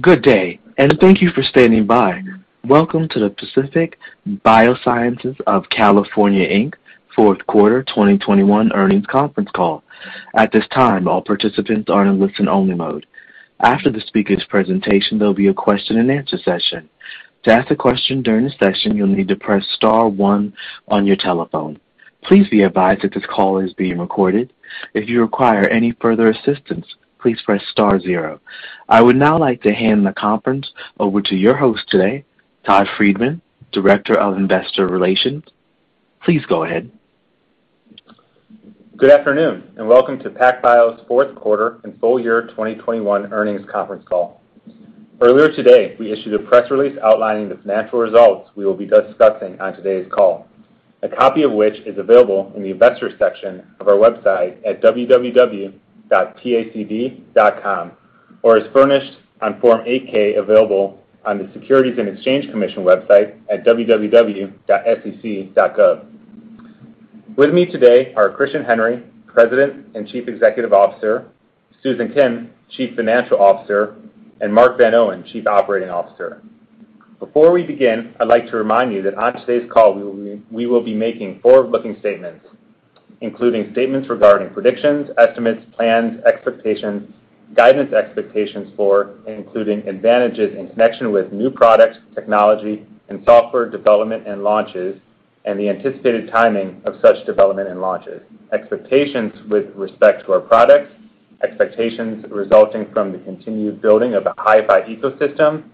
Good day, and thank you for standing by. Welcome to the Pacific Biosciences of California, Inc. fourth quarter 2021 earnings conference call. At this time, all participants are in listen only mode. After the speaker's presentation, there'll be a question and answer session. To ask a question during the session, you'll need to press star one on your telephone. Please be advised that this call is being recorded. If you require any further assistance, please press star zero. I would now like to hand the conference over to your host today, Todd Friedman, Director of Investor Relations. Please go ahead. Good afternoon, and welcome to PacBio's fourth quarter and full year 2021 earnings conference call. Earlier today, we issued a press release outlining the financial results we will be discussing on today's call. A copy of which is available in the investor section of our website at www.pacb.com, or as furnished on Form 8-K available on the Securities and Exchange Commission website at www.sec.gov. With me today are Christian Henry, President and Chief Executive Officer, Susan Kim, Chief Financial Officer, and Mark Van Oene, Chief Operating Officer. Before we begin, I'd like to remind you that on today's call, we will be making forward-looking statements, including statements regarding predictions, estimates, plans, expectations, guidance expectations for, including advantages in connection with new products, technology, and software development and launches, and the anticipated timing of such development and launches. Expectations with respect to our products, expectations resulting from the continued building of a HiFi ecosystem,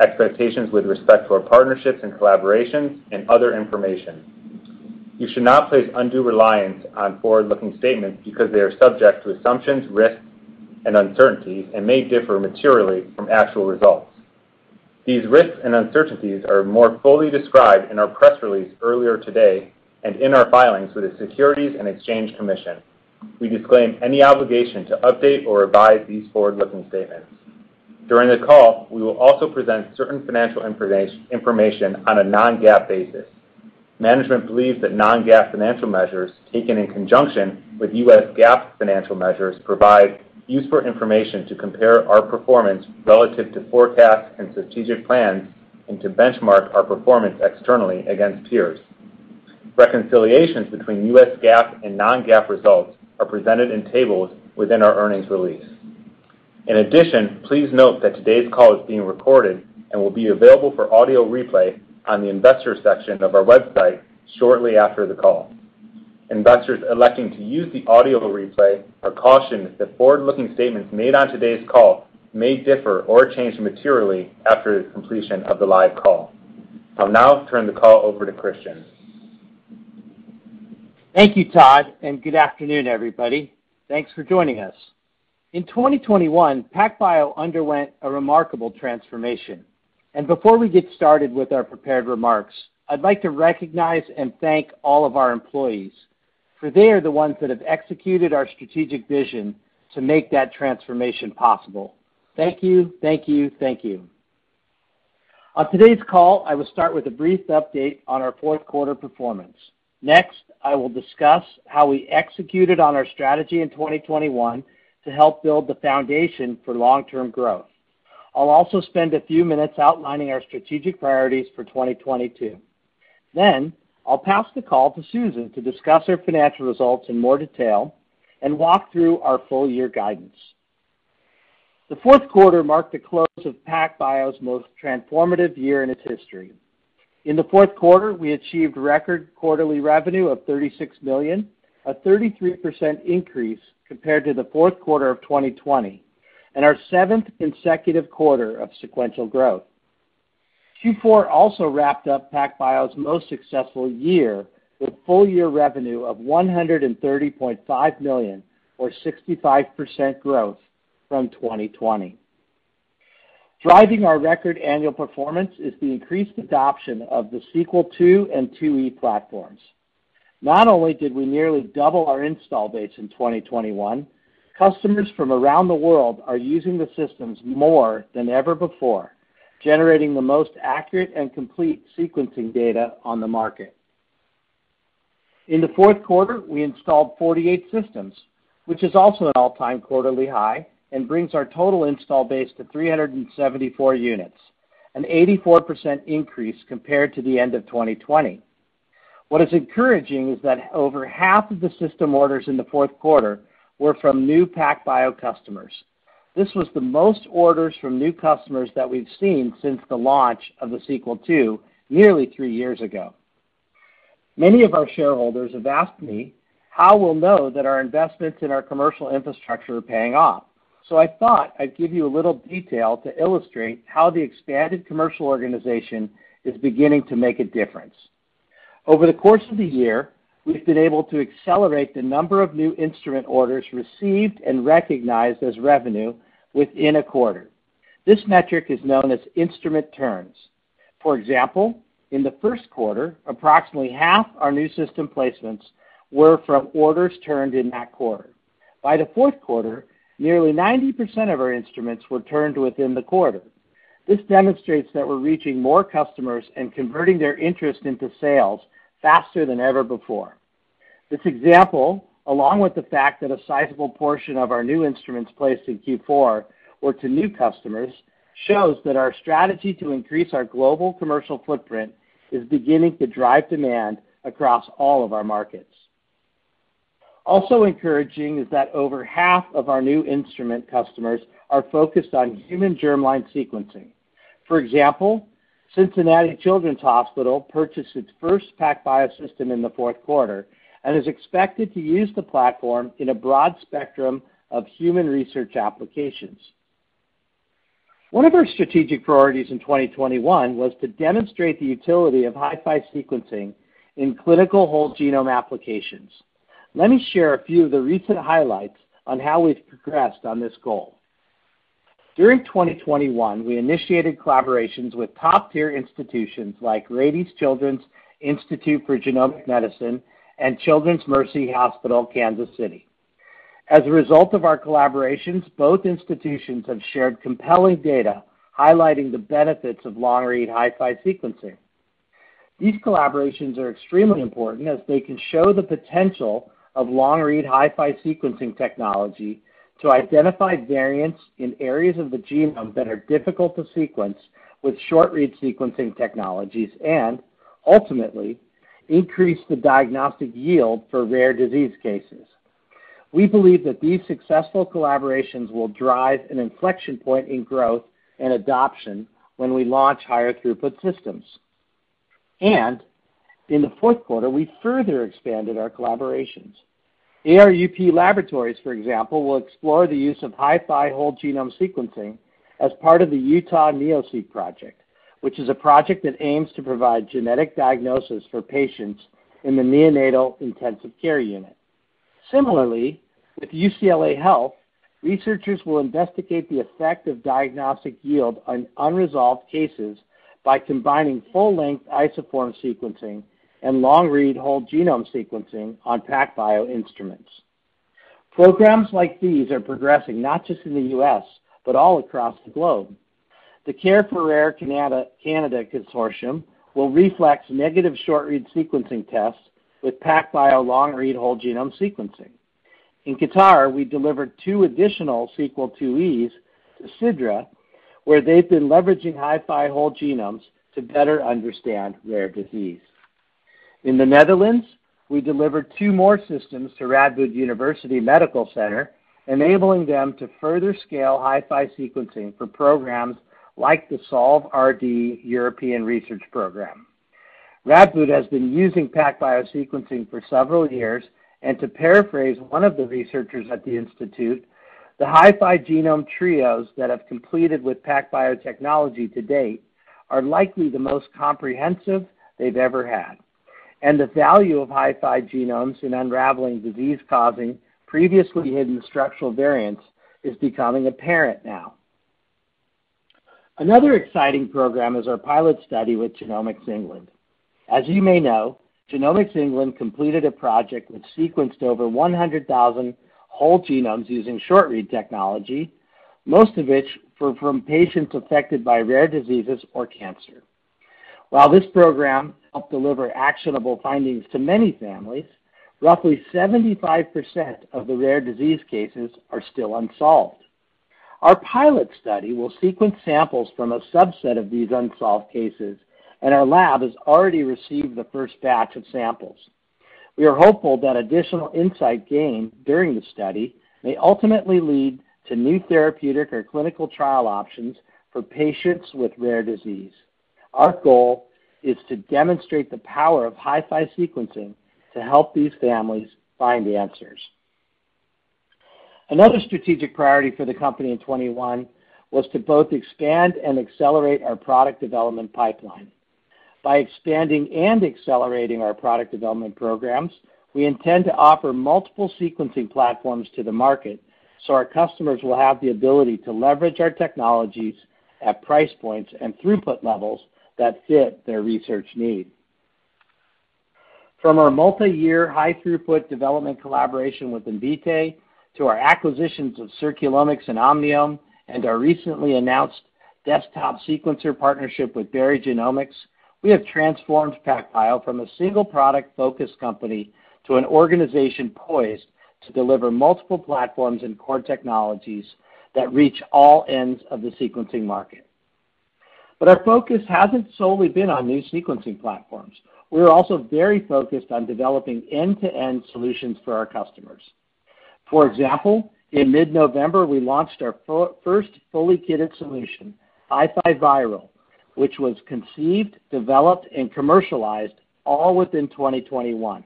expectations with respect to our partnerships and collaborations, and other information. You should not place undue reliance on forward-looking statements because they are subject to assumptions, risks, and uncertainties, and may differ materially from actual results. These risks and uncertainties are more fully described in our press release earlier today and in our filings with the Securities and Exchange Commission. We disclaim any obligation to update or revise these forward-looking statements. During the call, we will also present certain financial information on a non-GAAP basis. Management believes that non-GAAP financial measures, taken in conjunction with U.S. GAAP financial measures, provide useful information to compare our performance relative to forecasts and strategic plans, and to benchmark our performance externally against peers. Reconciliations between U.S. GAAP and non-GAAP results are presented in tables within our earnings release. In addition, please note that today's call is being recorded and will be available for audio replay on the investor section of our website shortly after the call. Investors electing to use the audio replay are cautioned that forward-looking statements made on today's call may differ or change materially after the completion of the live call. I'll now turn the call over to Christian. Thank you, Todd, and good afternoon, everybody. Thanks for joining us. In 2021, PacBio underwent a remarkable transformation. Before we get started with our prepared remarks, I'd like to recognize and thank all of our employees, for they are the ones that have executed our strategic vision to make that transformation possible. Thank you. On today's call, I will start with a brief update on our fourth quarter performance. Next, I will discuss how we executed on our strategy in 2021 to help build the foundation for long-term growth. I'll also spend a few minutes outlining our strategic priorities for 2022. Then I'll pass the call to Susan to discuss our financial results in more detail and walk through our full year guidance. The fourth quarter marked the close of PacBio's most transformative year in its history. In the fourth quarter, we achieved record quarterly revenue of $36 million, a 33% increase compared to the fourth quarter of 2020, and our seventh consecutive quarter of sequential growth. Q4 also wrapped up PacBio's most successful year with full year revenue of $130.5 million or 65% growth from 2020. Driving our record annual performance is the increased adoption of the Sequel II and IIe platforms. Not only did we nearly double our install base in 2021, customers from around the world are using the systems more than ever before, generating the most accurate and complete sequencing data on the market. In the fourth quarter, we installed 48 systems, which is also an all-time quarterly high and brings our total install base to 374 units, an 84% increase compared to the end of 2020. What is encouraging is that over half of the system orders in the fourth quarter were from new PacBio customers. This was the most orders from new customers that we've seen since the launch of the Sequel II nearly three years ago. Many of our shareholders have asked me how we'll know that our investments in our commercial infrastructure are paying off. I thought I'd give you a little detail to illustrate how the expanded commercial organization is beginning to make a difference. Over the course of the year, we've been able to accelerate the number of new instrument orders received and recognized as revenue within a quarter. This metric is known as instrument turns. For example, in the first quarter, approximately half our new system placements were from orders turned in that quarter. By the fourth quarter, nearly 90% of our instruments were turned within the quarter. This demonstrates that we're reaching more customers and converting their interest into sales faster than ever before. This example, along with the fact that a sizable portion of our new instruments placed in Q4 were to new customers, shows that our strategy to increase our global commercial footprint is beginning to drive demand across all of our markets. Also encouraging is that over half of our new instrument customers are focused on human germline sequencing. For example, Cincinnati Children's Hospital purchased its first PacBio system in the fourth quarter and is expected to use the platform in a broad spectrum of human research applications. One of our strategic priorities in 2021 was to demonstrate the utility of HiFi sequencing in clinical whole genome applications. Let me share a few of the recent highlights on how we've progressed on this goal. During 2021, we initiated collaborations with top-tier institutions like Rady Children's Institute for Genomic Medicine and Children's Mercy Hospital, Kansas City. As a result of our collaborations, both institutions have shared compelling data highlighting the benefits of long-read HiFi sequencing. These collaborations are extremely important as they can show the potential of long read HiFi sequencing technology to identify variants in areas of the genome that are difficult to sequence with short read sequencing technologies and ultimately increase the diagnostic yield for rare disease cases. We believe that these successful collaborations will drive an inflection point in growth and adoption when we launch higher throughput systems. In the fourth quarter, we further expanded our collaborations. ARUP Laboratories, for example, will explore the use of HiFi whole genome sequencing as part of the Utah NeoSeq Project, which is a project that aims to provide genetic diagnosis for patients in the neonatal intensive care unit. Similarly, with UCLA Health, researchers will investigate the effect of diagnostic yield on unresolved cases by combining full-length isoform sequencing and long-read whole genome sequencing on PacBio instruments. Programs like these are progressing not just in the U.S., but all across the globe. The Care4Rare Canada Consortium will reflex negative short-read sequencing tests with PacBio long-read whole genome sequencing. In Qatar, we delivered two additional Sequel IIe to Sidra, where they've been leveraging HiFi whole genomes to better understand rare disease. In the Netherlands, we delivered two more systems to Radboud University Medical Center, enabling them to further scale HiFi sequencing for programs like the Solve-RD European research program. Radboud has been using PacBio sequencing for several years, and to paraphrase one of the researchers at the institute, the HiFi genome trios that have completed with PacBio technology to date are likely the most comprehensive they've ever had, and the value of HiFi genomes in unraveling disease-causing previously hidden structural variants is becoming apparent now. Another exciting program is our pilot study with Genomics England. As you may know, Genomics England completed a project which sequenced over 100,000 whole genomes using short-read technology, most of which were from patients affected by rare diseases or cancer. While this program helped deliver actionable findings to many families, roughly 75% of the rare disease cases are still unsolved. Our pilot study will sequence samples from a subset of these unsolved cases, and our lab has already received the first batch of samples. We are hopeful that additional insight gained during the study may ultimately lead to new therapeutic or clinical trial options for patients with rare disease. Our goal is to demonstrate the power of HiFi sequencing to help these families find the answers. Another strategic priority for the company in 2021 was to both expand and accelerate our product development pipeline. By expanding and accelerating our product development programs, we intend to offer multiple sequencing platforms to the market, so our customers will have the ability to leverage our technologies at price points and throughput levels that fit their research needs. From our multiyear high throughput development collaboration with Invitae to our acquisitions of Circulomics and Omniome and our recently announced desktop sequencer partnership with Berry Genomics, we have transformed PacBio from a single product-focused company to an organization poised to deliver multiple platforms and core technologies that reach all ends of the sequencing market. Our focus hasn't solely been on new sequencing platforms. We are also very focused on developing end-to-end solutions for our customers. For example, in mid-November, we launched our first fully kitted solution, HiFiViral, which was conceived, developed, and commercialized all within 2021.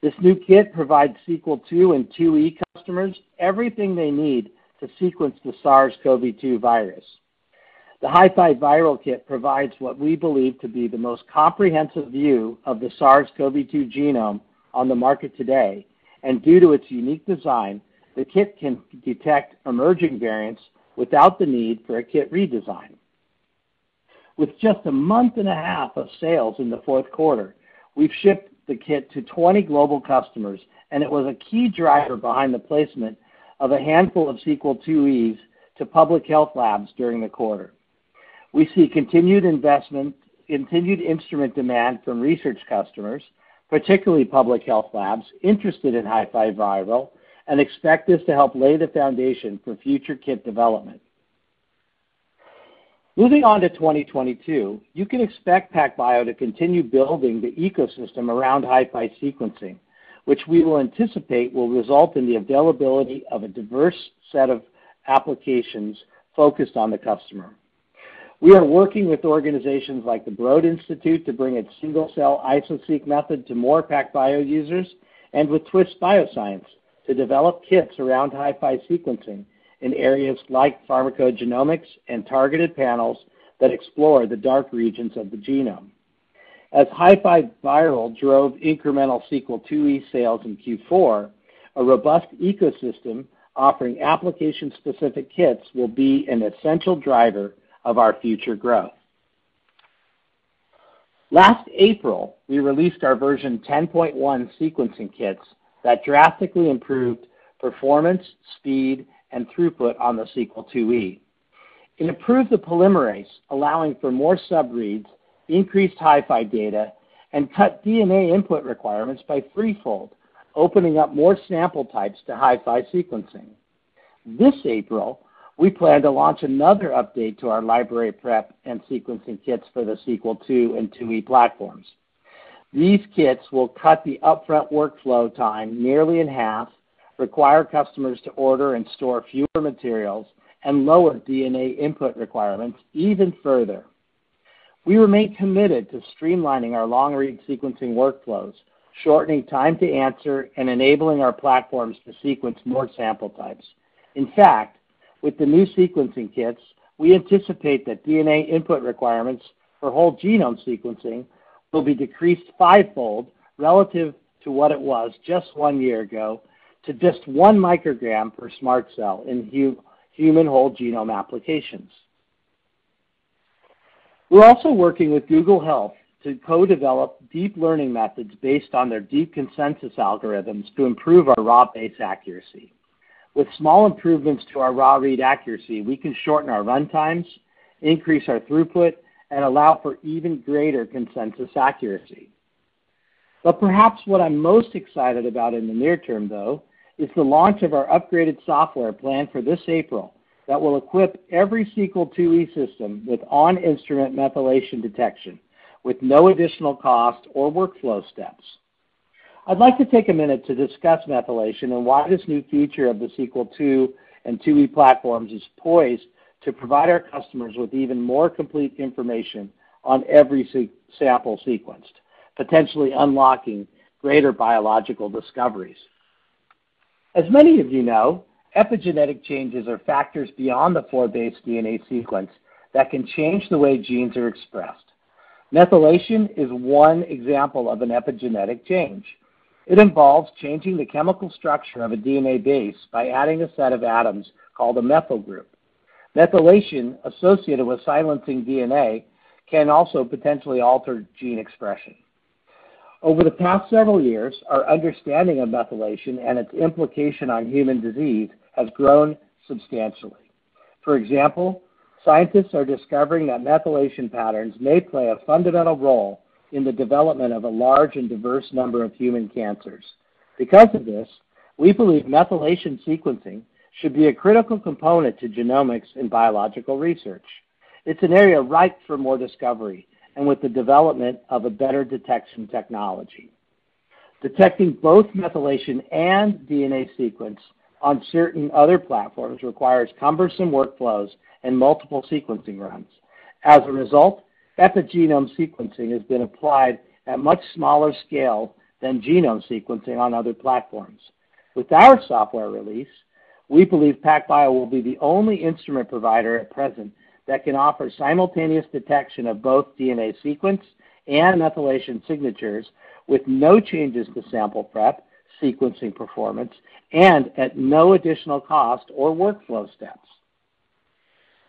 This new kit provides Sequel II and IIe customers everything they need to sequence the SARS-CoV-2 virus. The HiFiViral kit provides what we believe to be the most comprehensive view of the SARS-CoV-2 genome on the market today, and due to its unique design, the kit can detect emerging variants without the need for a kit redesign. With just a month and a half of sales in the fourth quarter, we've shipped the kit to 20 global customers, and it was a key driver behind the placement of a handful of Sequel IIe to public health labs during the quarter. We see continued investment, continued instrument demand from research customers, particularly public health labs interested in HiFiViral, and expect this to help lay the foundation for future kit development. Moving on to 2022, you can expect PacBio to continue building the ecosystem around HiFi sequencing, which we will anticipate will result in the availability of a diverse set of applications focused on the customer. We are working with organizations like the Broad Institute to bring its single-cell Iso-Seq method to more PacBio users, and with Twist Bioscience to develop kits around HiFi sequencing in areas like pharmacogenomics and targeted panels that explore the dark regions of the genome. As HiFiViral drove incremental Sequel IIe sales in Q4, a robust ecosystem offering application-specific kits will be an essential driver of our future growth. Last April, we released our version 10.1 sequencing kits that drastically improved performance, speed, and throughput on the Sequel IIe. It improved the polymerase, allowing for more subreads, increased HiFi data, and cut DNA input requirements by threefold, opening up more sample types to HiFi sequencing. This April, we plan to launch another update to our library prep and sequencing kits for the Sequel II and IIe platforms. These kits will cut the upfront workflow time nearly in half, require customers to order and store fewer materials, and lower DNA input requirements even further. We remain committed to streamlining our long-read sequencing workflows, shortening time to answer, and enabling our platforms to sequence more sample types. In fact, with the new sequencing kits, we anticipate that DNA input requirements for whole-genome sequencing will be decreased fivefold relative to what it was just one year ago to just 1 microgram per SMRT Cell in human whole-genome applications. We're also working with Google Health to co-develop deep learning methods based on their DeepConsensus algorithms to improve our raw base accuracy. With small improvements to our raw read accuracy, we can shorten our run times, increase our throughput, and allow for even greater consensus accuracy. Perhaps what I'm most excited about in the near term, though, is the launch of our upgraded software planned for this April that will equip every Sequel IIe system with on-instrument methylation detection with no additional cost or workflow steps. I'd like to take a minute to discuss methylation and why this new feature of the Sequel II and IIe platforms is poised to provide our customers with even more complete information on every sample sequenced, potentially unlocking greater biological discoveries. As many of you know, epigenetic changes are factors beyond the four-base DNA sequence that can change the way genes are expressed. Methylation is one example of an epigenetic change. It involves changing the chemical structure of a DNA base by adding a set of atoms called a methyl group. Methylation associated with silencing DNA can also potentially alter gene expression. Over the past several years, our understanding of methylation and its implication on human disease has grown substantially. For example, scientists are discovering that methylation patterns may play a fundamental role in the development of a large and diverse number of human cancers. Because of this, we believe methylation sequencing should be a critical component to genomics in biological research. It's an area ripe for more discovery and with the development of a better detection technology. Detecting both methylation and DNA sequence on certain other platforms requires cumbersome workflows and multiple sequencing runs. As a result, epigenome sequencing has been applied at much smaller scale than genome sequencing on other platforms. With our software release, we believe PacBio will be the only instrument provider at present that can offer simultaneous detection of both DNA sequence and methylation signatures with no changes to sample prep, sequencing performance, and at no additional cost or workflow steps.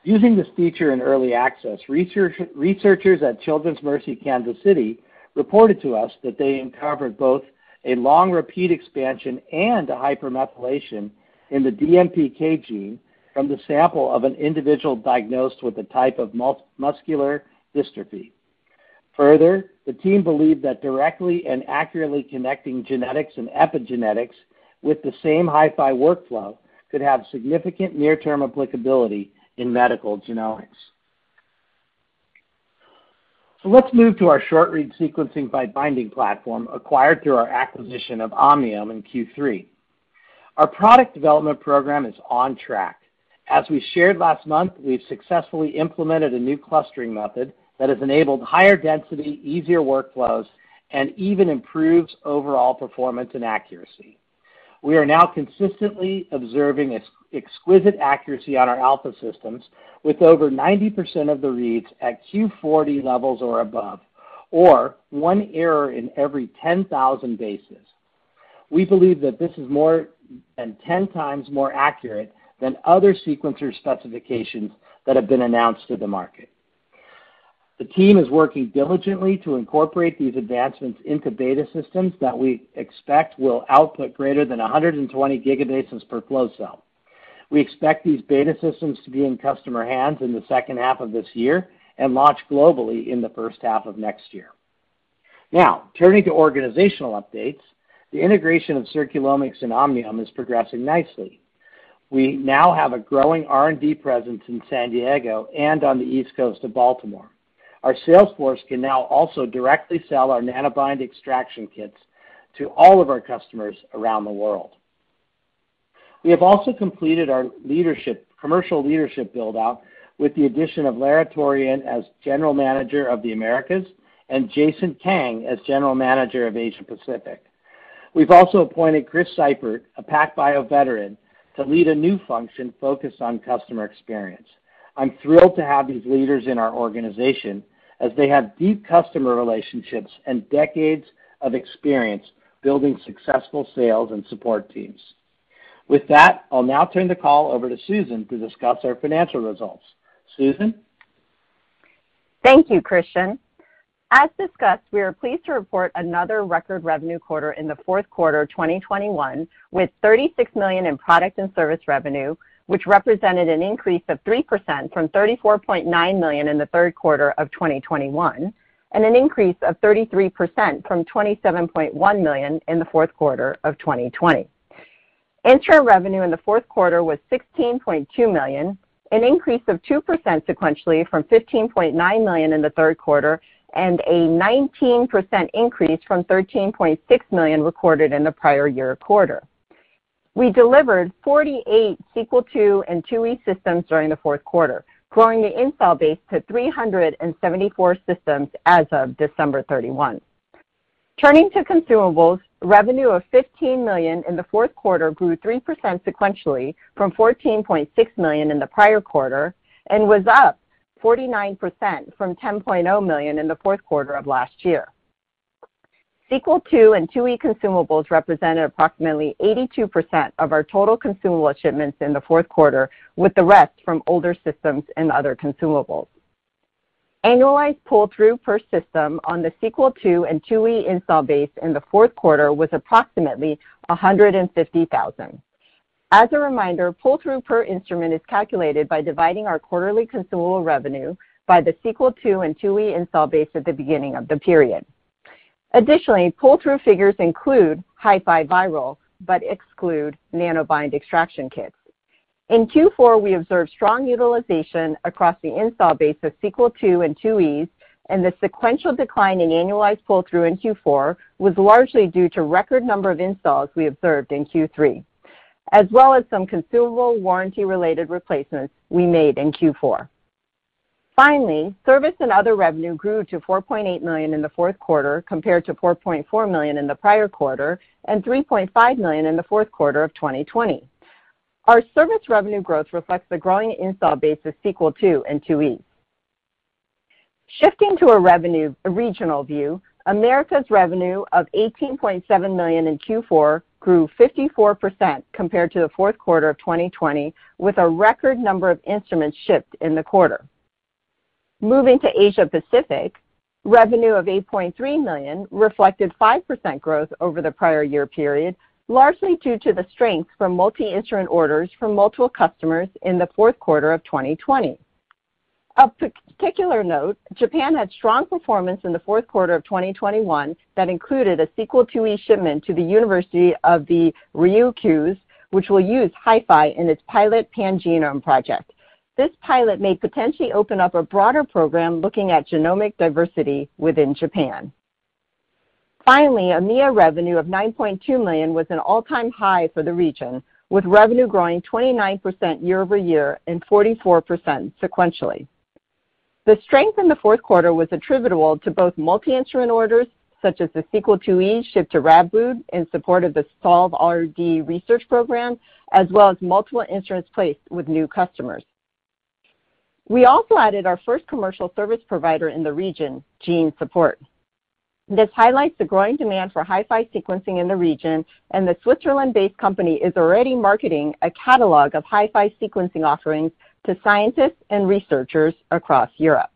Using this feature in early access, researchers at Children's Mercy Kansas City reported to us that they uncovered both a long repeat expansion and a hypermethylation in the DMPK gene from the sample of an individual diagnosed with a type of muscular dystrophy. Further, the team believed that directly and accurately connecting genetics and epigenetics with the same HiFi workflow could have significant near-term applicability in medical genomics. Let's move to our short-read sequencing by binding platform acquired through our acquisition of Omniome in Q3. Our product development program is on track. As we shared last month, we've successfully implemented a new clustering method that has enabled higher density, easier workflows, and even improves overall performance and accuracy. We are now consistently observing exquisite accuracy on our alpha systems with over 90% of the reads at Q40 levels or above, or one error in every 10,000 bases. We believe that this is more than 10 times more accurate than other sequencer specifications that have been announced to the market. The team is working diligently to incorporate these advancements into beta systems that we expect will output greater than 120 gigabases per flow cell. We expect these beta systems to be in customer hands in the second half of this year and launch globally in the first half of next year. Now, turning to organizational updates, the integration of Circulomics and Omniome is progressing nicely. We now have a growing R&D presence in San Diego and on the East Coast of Baltimore. Our sales force can now also directly sell our NanoBind extraction kits to all of our customers around the world. We have also completed our leadership, commercial leadership build-out with the addition of Lara Toerien as General Manager of the Americas and Jason Kang as General Manager of Asia-Pacific. We've also appointed Chris Seifert, a PacBio veteran, to lead a new function focused on customer experience. I'm thrilled to have these leaders in our organization as they have deep customer relationships and decades of experience building successful sales and support teams. With that, I'll now turn the call over to Susan to discuss our financial results. Susan? Thank you, Christian. As discussed, we are pleased to report another record revenue quarter in the fourth quarter of 2021, with $36 million in product and service revenue, which represented an increase of 3% from $34.9 million in the third quarter of 2021, and an increase of 33% from $27.1 million in the fourth quarter of 2020. Instrument revenue in the fourth quarter was $16.2 million, an increase of 2% sequentially from $15.9 million in the third quarter, and a 19% increase from $13.6 million recorded in the prior year quarter. We delivered 48 Sequel II and IIe systems during the fourth quarter, growing the install base to 374 systems as of December 31. Turning to consumables, revenue of $15 million in the fourth quarter grew 3% sequentially from $14.6 million in the prior quarter and was up 49% from $10.0 million in the fourth quarter of last year. Sequel II and IIe consumables represented approximately 82% of our total consumable shipments in the fourth quarter, with the rest from older systems and other consumables. Annualized pull-through per system on the Sequel II and IIe install base in the fourth quarter was approximately 150,000. As a reminder, pull-through per instrument is calculated by dividing our quarterly consumable revenue by the Sequel II and IIe install base at the beginning of the period. Additionally, pull-through figures include HiFiViral, but exclude NanoBind extraction kits. In Q4, we observed strong utilization across the install base of Sequel II and IIe, and the sequential decline in annualized pull-through in Q4 was largely due to record number of installs we observed in Q3, as well as some consumable warranty-related replacements we made in Q4. Finally, service and other revenue grew to $4.8 million in the fourth quarter compared to $4.4 million in the prior quarter and $3.5 million in the fourth quarter of 2020. Our service revenue growth reflects the growing install base of Sequel II and IIe. Shifting to a revenue regional view, Americas revenue of $18.7 million in Q4 grew 54% compared to the fourth quarter of 2020, with a record number of instruments shipped in the quarter. Moving to Asia Pacific, revenue of $8.3 million reflected 5% growth over the prior year period, largely due to the strength from multi-instrument orders from multiple customers in the fourth quarter of 2020. Of particular note, Japan had strong performance in the fourth quarter of 2021 that included a Sequel IIe shipment to the University of the Ryukyus, which will use HiFi in its pilot pangenome project. This pilot may potentially open up a broader program looking at genomic diversity within Japan. Finally, EMEIA revenue of $9.2 million was an all-time high for the region, with revenue growing 29% year-over-year and 44% sequentially. The strength in the fourth quarter was attributable to both multi-instrument orders, such as the Sequel IIe shipped to Radboud in support of the Solve-RD research program, as well as multiple instruments placed with new customers. We also added our first commercial service provider in the region, Gene Support. This highlights the growing demand for HiFi sequencing in the region, and the Switzerland-based company is already marketing a catalog of HiFi sequencing offerings to scientists and researchers across Europe.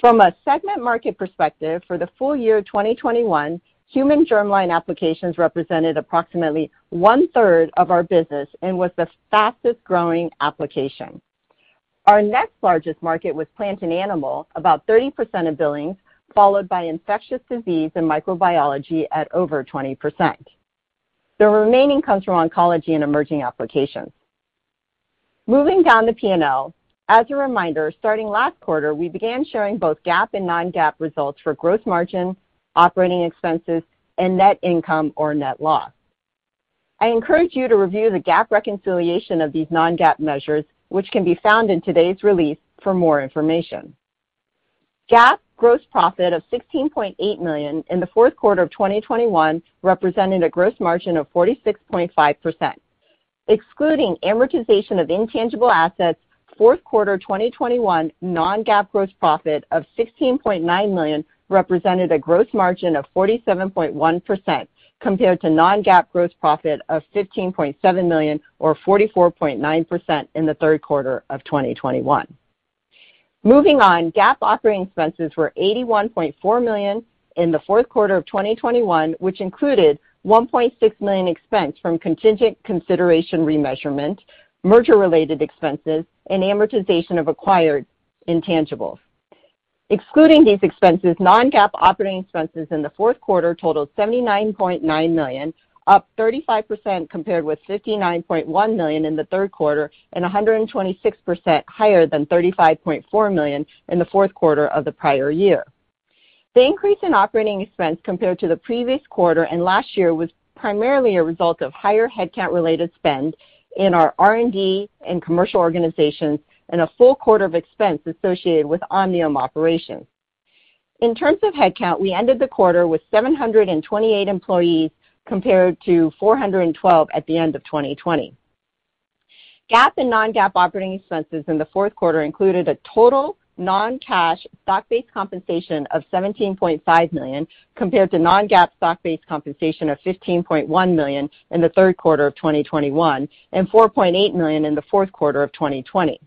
From a segment market perspective, for the full year 2021, human germline applications represented approximately 1/3 of our business and was the fastest-growing application. Our next largest market was plant and animal, about 30% of billings, followed by infectious disease and microbiology at over 20%. The remaining comes from oncology and emerging applications. Moving down the P&L, as a reminder, starting last quarter, we began showing both GAAP and non-GAAP results for gross margin, operating expenses, and net income or net loss. I encourage you to review the GAAP reconciliation of these non-GAAP measures, which can be found in today's release for more information. GAAP gross profit of $16.8 million in the fourth quarter of 2021 represented a gross margin of 46.5%. Excluding amortization of intangible assets, fourth quarter 2021 non-GAAP gross profit of $16.9 million represented a gross margin of 47.1% compared to non-GAAP gross profit of $15.7 million or 44.9% in the third quarter of 2021. Moving on, GAAP operating expenses were $81.4 million in the fourth quarter of 2021, which included $1.6 million expense from contingent consideration remeasurement, merger-related expenses, and amortization of acquired intangibles. Excluding these expenses, non-GAAP operating expenses in the fourth quarter totaled $79.9 million, up 35% compared with $59.1 million in the third quarter and 126% higher than $35.4 million in the fourth quarter of the prior year. The increase in operating expense compared to the previous quarter and last year was primarily a result of higher headcount-related spend in our R&D and commercial organizations and a full quarter of expense associated with Omniome operations. In terms of headcount, we ended the quarter with 728 employees compared to 412 at the end of 2020. GAAP and non-GAAP operating expenses in the fourth quarter included a total non-cash stock-based compensation of $17.5 million, compared to non-GAAP stock-based compensation of $15.1 million in the third quarter of 2021 and $4.8 million in the fourth quarter of 2020.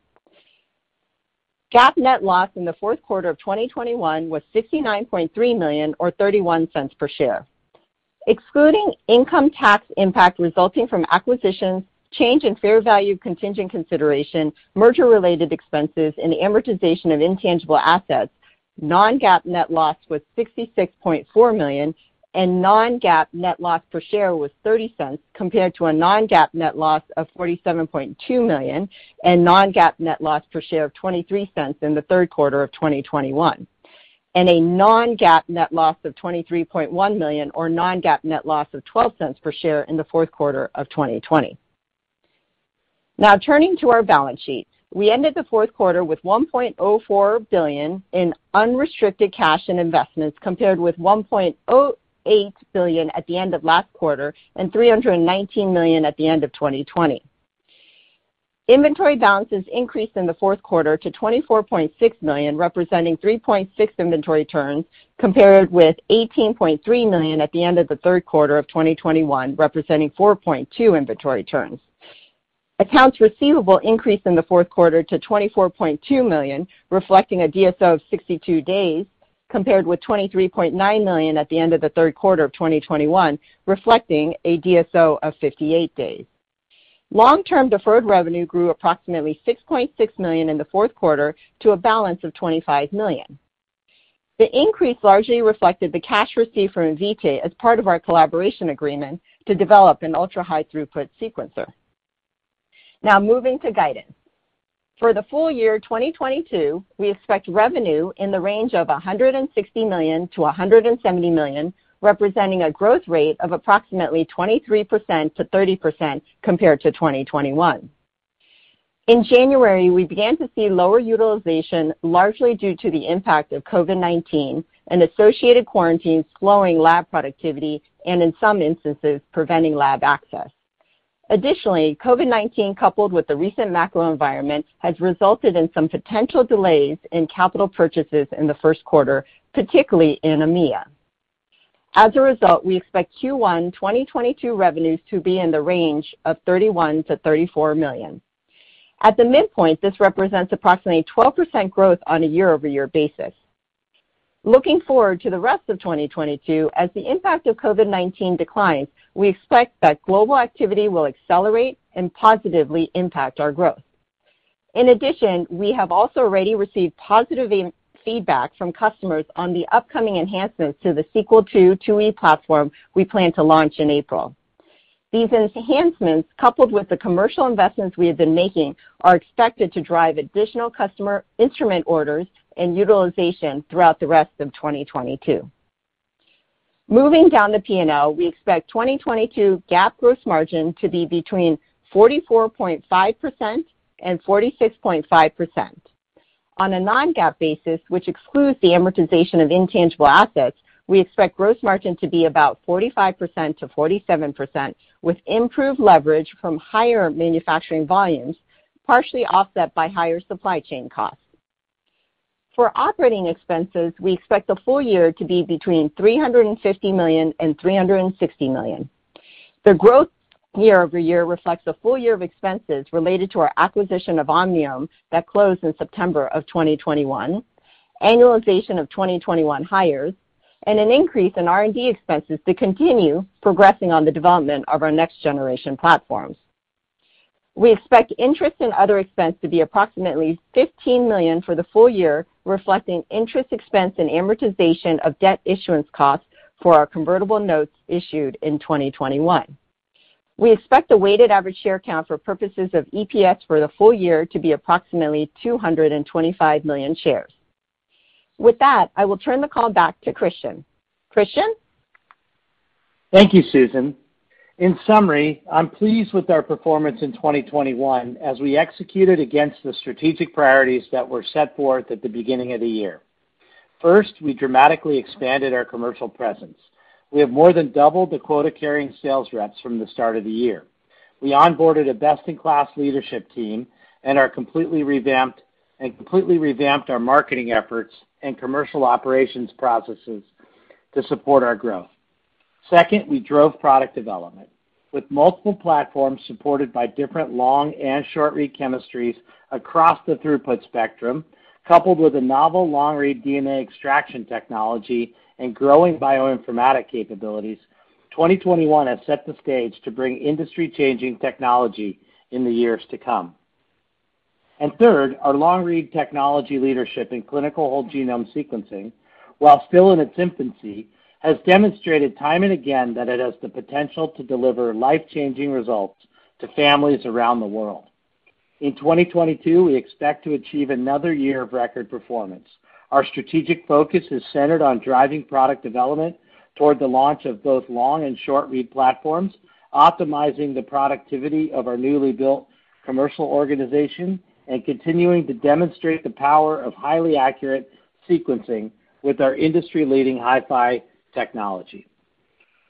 GAAP net loss in the fourth quarter of 2021 was $69.3 million or $0.31 per share. Excluding income tax impact resulting from acquisitions, change in fair value contingent consideration, merger-related expenses, and amortization of intangible assets, non-GAAP net loss was $66.4 million, and non-GAAP net loss per share was $0.30, compared to a non-GAAP net loss of $47.2 million and non-GAAP net loss per share of $0.23 in the third quarter of 2021, and a non-GAAP net loss of $23.1 million or non-GAAP net loss of $0.12 per share in the fourth quarter of 2020. Now turning to our balance sheet. We ended the fourth quarter with $1.04 billion in unrestricted cash and investments, compared with $1.08 billion at the end of last quarter and $319 million at the end of 2020. Inventory balances increased in the fourth quarter to $24.6 million, representing 3.6 inventory turns, compared with $18.3 million at the end of the third quarter of 2021, representing 4.2 inventory turns. Accounts receivable increased in the fourth quarter to $24.2 million, reflecting a DSO of 62 days, compared with $23.9 million at the end of the third quarter of 2021, reflecting a DSO of 58 days. Long-term deferred revenue grew approximately $6.6 million in the fourth quarter to a balance of $25 million. The increase largely reflected the cash received from Invitae as part of our collaboration agreement to develop an ultra-high throughput sequencer. Now moving to guidance. For the full year 2022, we expect revenue in the range of $160 million-$170 million, representing a growth rate of approximately 23%-30% compared to 2021. In January, we began to see lower utilization, largely due to the impact of COVID-19 and associated quarantines slowing lab productivity and, in some instances, preventing lab access. Additionally, COVID-19, coupled with the recent macro environment, has resulted in some potential delays in capital purchases in the first quarter, particularly in EMEIA. As a result, we expect Q1 2022 revenues to be in the range of $31 million-$34 million. At the midpoint, this represents approximately 12% growth on a year-over-year basis. Looking forward to the rest of 2022, as the impact of COVID-19 declines, we expect that global activity will accelerate and positively impact our growth. In addition, we have also already received positive feedback from customers on the upcoming enhancements to the Sequel IIe platform we plan to launch in April. These enhancements, coupled with the commercial investments we have been making, are expected to drive additional customer instrument orders and utilization throughout the rest of 2022. Moving down the P&L, we expect 2022 GAAP gross margin to be between 44.5% and 46.5%. On a non-GAAP basis, which excludes the amortization of intangible assets, we expect gross margin to be about 45% to 47%, with improved leverage from higher manufacturing volumes, partially offset by higher supply chain costs. For operating expenses, we expect the full year to be between $350 million and $360 million. The growth year-over-year reflects a full year of expenses related to our acquisition of Omniome that closed in September of 2021, annualization of 2021 hires, and an increase in R&D expenses to continue progressing on the development of our next-generation platforms. We expect interest and other expense to be approximately $15 million for the full year, reflecting interest expense and amortization of debt issuance costs for our convertible notes issued in 2021. We expect the weighted average share count for purposes of EPS for the full year to be approximately 225 million shares. With that, I will turn the call back to Christian. Christian? Thank you, Susan. In summary, I'm pleased with our performance in 2021 as we executed against the strategic priorities that were set forth at the beginning of the year. First, we dramatically expanded our commercial presence. We have more than doubled the quota-carrying sales reps from the start of the year. We onboarded a best-in-class leadership team and completely revamped our marketing efforts and commercial operations processes to support our growth. Second, we drove product development with multiple platforms supported by different long and short-read chemistries across the throughput spectrum, coupled with a novel long-read DNA extraction technology and growing bioinformatics capabilities, 2021 has set the stage to bring industry-changing technology in the years to come. Third, our long-read technology leadership in clinical whole genome sequencing, while still in its infancy, has demonstrated time and again that it has the potential to deliver life-changing results to families around the world. In 2022, we expect to achieve another year of record performance. Our strategic focus is centered on driving product development toward the launch of both long and short-read platforms, optimizing the productivity of our newly built commercial organization, and continuing to demonstrate the power of highly accurate sequencing with our industry-leading HiFi technology.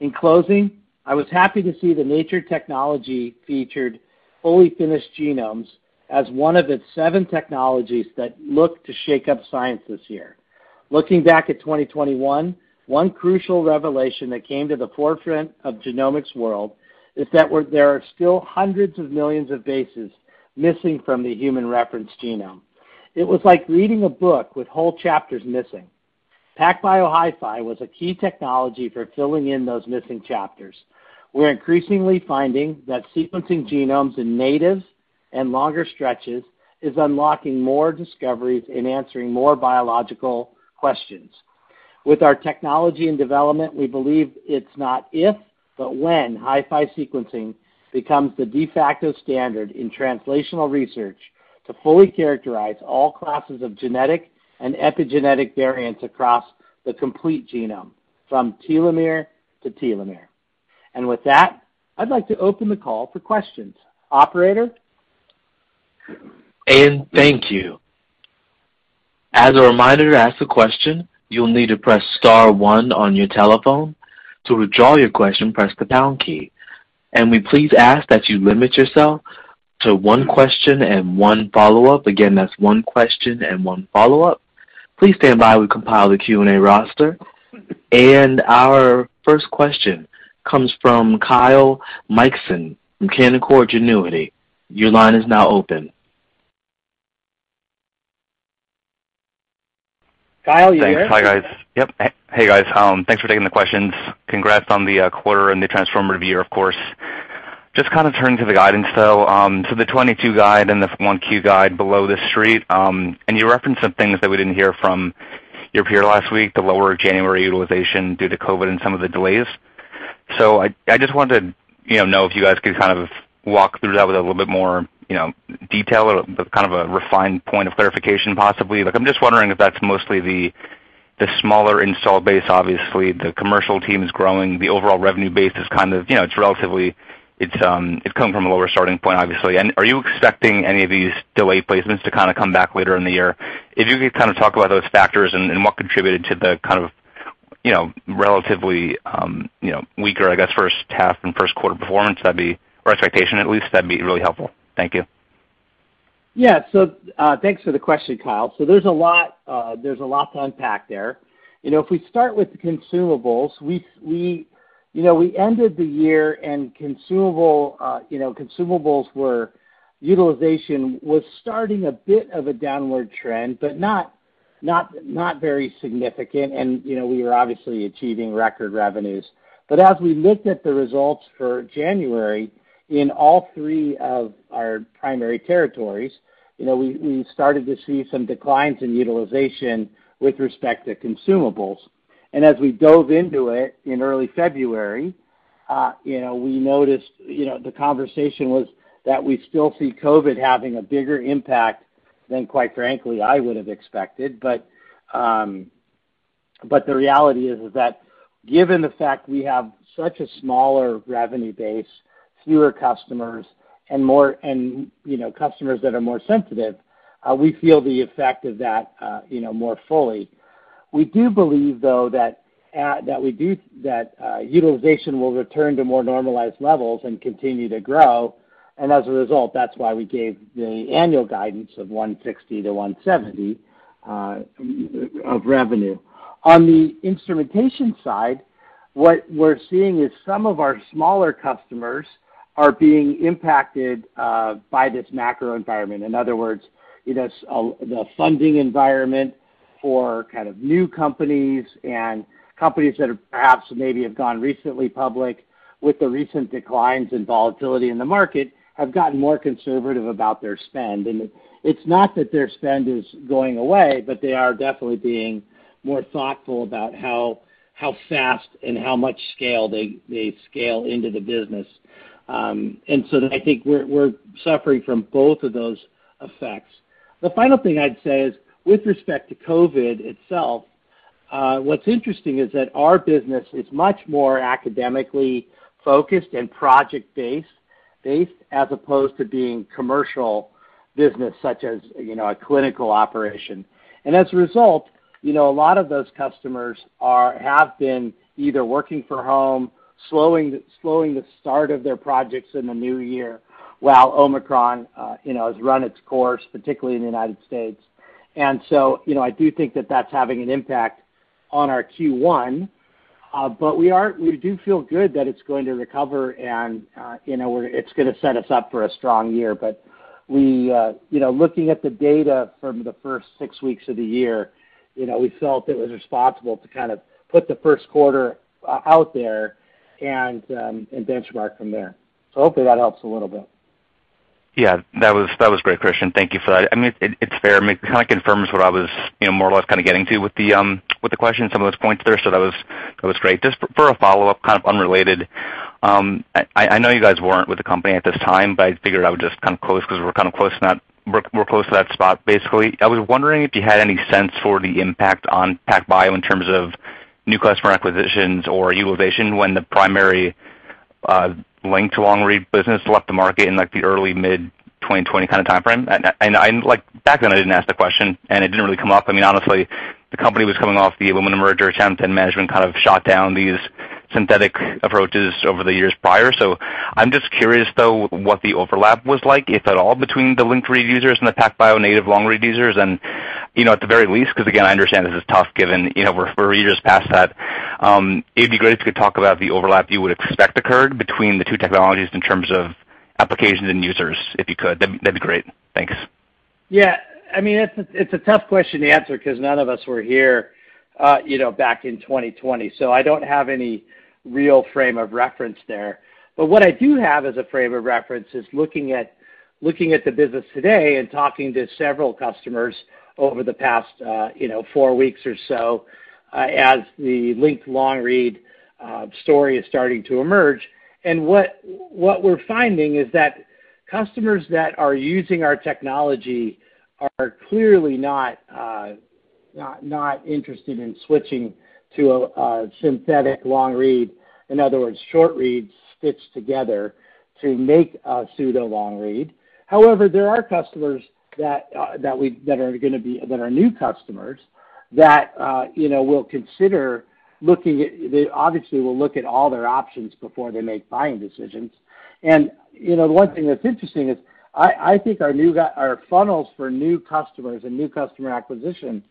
In closing, I was happy to see the Nature Technology featured fully finished genomes as one of its seven technologies that look to shake up science this year. Looking back at 2021, one crucial revelation that came to the forefront of genomics world is that there are still hundreds of millions of bases missing from the human reference genome. It was like reading a book with whole chapters missing. PacBio HiFi was a key technology for filling in those missing chapters. We're increasingly finding that sequencing genomes in native and longer stretches is unlocking more discoveries in answering more biological questions. With our technology and development, we believe it's not if, but when HiFi sequencing becomes the de facto standard in translational research to fully characterize all classes of genetic and epigenetic variants across the complete genome from telomere to telomere. With that, I'd like to open the call for questions. Operator? Thank you. As a reminder, to ask a question, you'll need to press star one on your telephone. To withdraw your question, press the pound key. We please ask that you limit yourself to one question and one follow-up. Again, that's one question and one follow-up. Please stand by. We compile the Q&A roster. Our first question comes from Kyle Mikson from Canaccord Genuity. Your line is now open. Kyle, you there? Thanks. Hi, guys. Yep. Hey, guys, thanks for taking the questions. Congrats on the quarter and the transformative year, of course. Just kinda turning to the guidance, though, so the 2022 guide and the 1Q guide below the street, and you referenced some things that we didn't hear from your peer last week, the lower January utilization due to COVID and some of the delays. I just wanted to know if you guys could kind of walk through that with a little bit more detail or kind of a refined point of clarification, possibly. Like, I'm just wondering if that's mostly the smaller install base, obviously, the commercial team's growing, the overall revenue base is kind of. You know, it's relatively. It's coming from a lower starting point, obviously. Are you expecting any of these delay placements to kinda come back later in the year? If you could kinda talk about those factors and what contributed to the kind of, you know, relatively, you know, weaker, I guess, first half and first quarter performance, that'd be really helpful. Thank you. Yeah, thanks for the question, Kyle. There's a lot to unpack there. You know, if we start with consumables, we ended the year and consumables were. Utilization was starting a bit of a downward trend, but not very significant. You know, we were obviously achieving record revenues. But as we looked at the results for January, in all three of our primary territories, you know, we started to see some declines in utilization with respect to consumables. As we dove into it in early February, you know, we noticed, you know, the conversation was that we still see COVID having a bigger impact than quite frankly I would have expected. The reality is that given the fact we have such a smaller revenue base, fewer customers and more, you know, customers that are more sensitive, you know, more fully. We do believe, though, that utilization will return to more normalized levels and continue to grow. As a result, that's why we gave the annual guidance of $160 million-$170 million of revenue. On the instrumentation side, what we're seeing is some of our smaller customers are being impacted by this macro environment. In other words, you know, the funding environment for kind of new companies and companies that are perhaps maybe have gone recently public with the recent declines in volatility in the market, have gotten more conservative about their spend. It's not that their spend is going away, but they are definitely being more thoughtful about how fast and how much scale they scale into the business. I think we're suffering from both of those effects. The final thing I'd say is, with respect to COVID itself, what's interesting is that our business is much more academically focused and project-based as opposed to being commercial business such as, you know, a clinical operation. As a result, you know, a lot of those customers have been either working from home, slowing the start of their projects in the new year while Omicron, you know, has run its course, particularly in the United States. I do think that that's having an impact on our Q1. We do feel good that it's going to recover and, you know, it's gonna set us up for a strong year. We, you know, looking at the data from the first 6 weeks of the year, you know, we felt it was responsible to kind of put the first quarter out there and benchmark from there. Hopefully that helps a little bit. Yeah. That was great, Christian. Thank you for that. I mean, it's fair. I mean, it kind of confirms what I was, you know, more or less kind of getting to with the question, some of those points there, so that was great. Just for a follow-up, kind of unrelated, I know you guys weren't with the company at this time, but I figured I would just kind of close 'cause we're kind of close to that spot, basically. I was wondering if you had any sense for the impact on PacBio in terms of new customer acquisitions or utilization when the primary linked long-read business left the market in, like, the early mid-2020 kind of timeframe. Like, back then I didn't ask the question, and it didn't really come up. I mean, honestly, the company was coming off the Illumina merger attempt, and management kind of shot down these synthetic approaches over the years prior. I'm just curious, though, what the overlap was like, if at all, between the linked read users and the PacBio native long read users and, you know, at the very least, 'cause again, I understand this is tough given, you know, we're years past that. It'd be great if you could talk about the overlap you would expect occurred between the two technologies in terms of applications and users, if you could. That'd be great. Thanks. Yeah. I mean, it's a tough question to answer 'cause none of us were here back in 2020, so I don't have any real frame of reference there. What I do have as a frame of reference is looking at the business today and talking to several customers over the past four weeks or so as the linked long read story is starting to emerge. What we're finding is that customers that are using our technology are clearly not interested in switching to a synthetic long read, in other words, short reads stitched together to make a pseudo long read. However, there are customers that are new customers that will consider looking at... They obviously will look at all their options before they make buying decisions. You know, the one thing that's interesting is I think our funnels for new customers and new customer acquisitions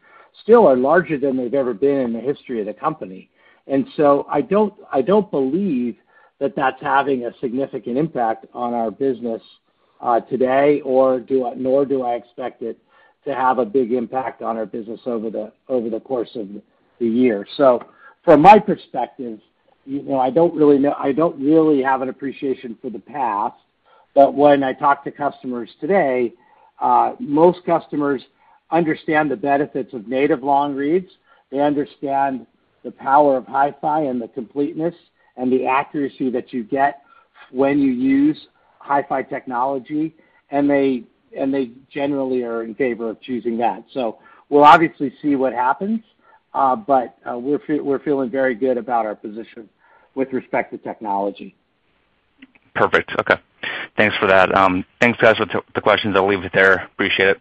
still are larger than they've ever been in the history of the company. I don't believe that that's having a significant impact on our business today nor do I expect it to have a big impact on our business over the course of the year. From my perspective, you know, I don't really have an appreciation for the past, but when I talk to customers today, most customers understand the benefits of native long reads. They understand the power of HiFi and the completeness and the accuracy that you get when you use HiFi technology, and they generally are in favor of choosing that. We'll obviously see what happens, but we're feeling very good about our position with respect to technology. Perfect. Okay. Thanks for that. Thanks guys for the questions. I'll leave it there. Appreciate it.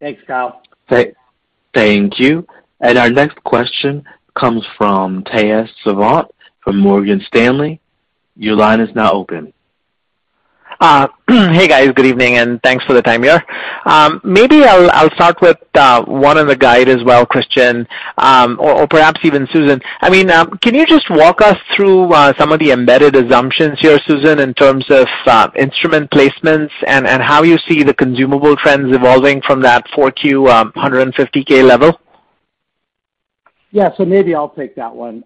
Thanks, Kyle. Thank you. Our next question comes from Tejas Savant from Morgan Stanley. Your line is now open. Hey, guys. Good evening, and thanks for the time here. Maybe I'll start with one on the guide as well, Christian, or perhaps even Susan. I mean, can you just walk us through some of the embedded assumptions here, Susan, in terms of instrument placements and how you see the consumable trends evolving from that 4Q $150K level? Maybe I'll take that one.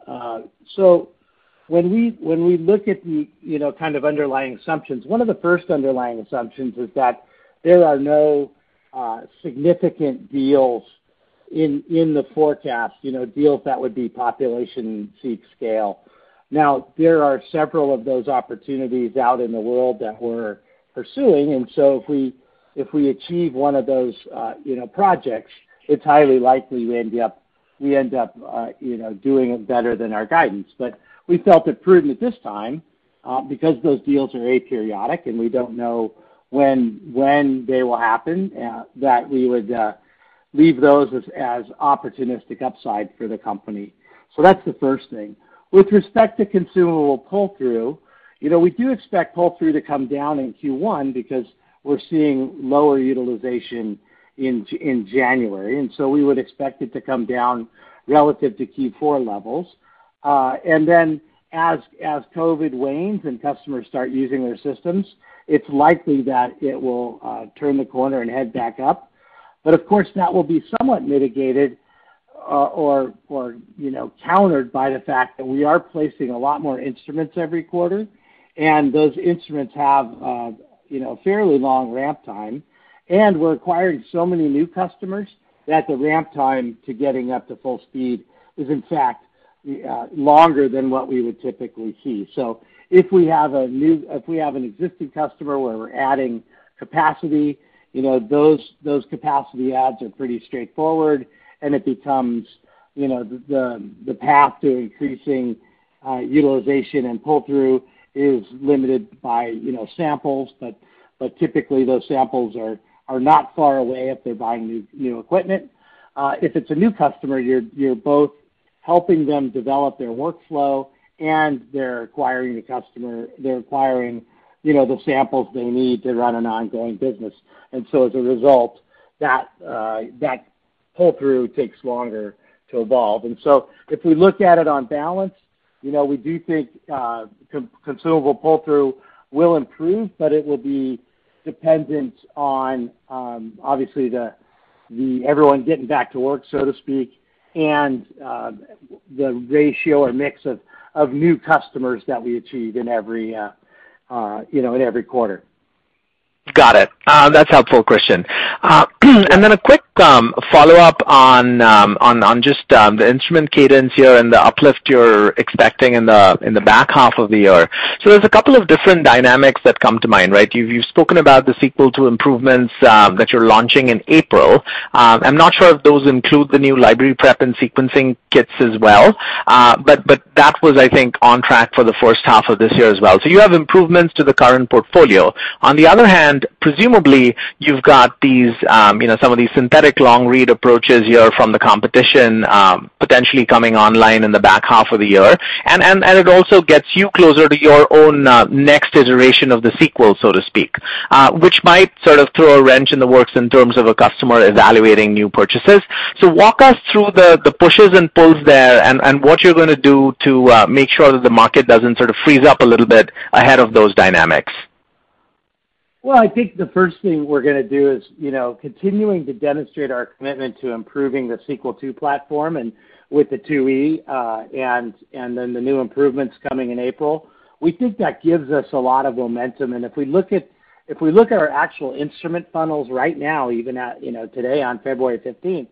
When we look at the, you know, kind of underlying assumptions, one of the first underlying assumptions is that there are no significant deals in the forecast, you know, deals that would be population scale. Now, there are several of those opportunities out in the world that we're pursuing, and so if we achieve one of those, you know, projects, it's highly likely we end up doing it better than our guidance. We felt it prudent at this time because those deals are aperiodic, and we don't know when they will happen that we would leave those as opportunistic upside for the company. That's the first thing. With respect to consumable pull-through, you know, we do expect pull-through to come down in Q1 because we're seeing lower utilization in January, and so we would expect it to come down relative to Q4 levels. As COVID wanes and customers start using their systems, it's likely that it will turn the corner and head back up. Of course, that will be somewhat mitigated, or, you know, countered by the fact that we are placing a lot more instruments every quarter, and those instruments have, you know, fairly long ramp time, and we're acquiring so many new customers that the ramp time to getting up to full speed is in fact longer than what we would typically see. If we have an existing customer where we're adding capacity, you know, those capacity adds are pretty straightforward and it becomes, you know, the path to increasing utilization and pull-through is limited by, you know, samples. But typically those samples are not far away if they're buying new equipment. If it's a new customer, you're both helping them develop their workflow and they're acquiring customers, you know, the samples they need to run an ongoing business. As a result, that pull-through takes longer to evolve. If we look at it on balance, you know, we do think considerable pull-through will improve, but it will be dependent on obviously everyone getting back to work, so to speak, and the ratio or mix of new customers that we achieve in every you know in every quarter. Got it. That's helpful, Christian. And then a quick follow-up on just the instrument cadence here and the uplift you're expecting in the back half of the year. There's a couple of different dynamics that come to mind, right? You've spoken about the Sequel II improvements that you're launching in April. I'm not sure if those include the new library prep and sequencing kits as well. That was, I think, on track for the first half of this year as well. You have improvements to the current portfolio. On the other hand, presumably, you've got these, you know, some of these synthetic long-read approaches here from the competition potentially coming online in the back half of the year. It also gets you closer to your own next iteration of the Sequel, so to speak, which might sort of throw a wrench in the works in terms of a customer evaluating new purchases. Walk us through the pushes and pulls there and what you're gonna do to make sure that the market doesn't sort of freeze up a little bit ahead of those dynamics. Well, I think the first thing we're gonna do is, you know, continuing to demonstrate our commitment to improving the Sequel II platform and with the IIe, and then the new improvements coming in April. We think that gives us a lot of momentum. If we look at our actual instrument funnels right now, even at, you know, today on February fifteenth,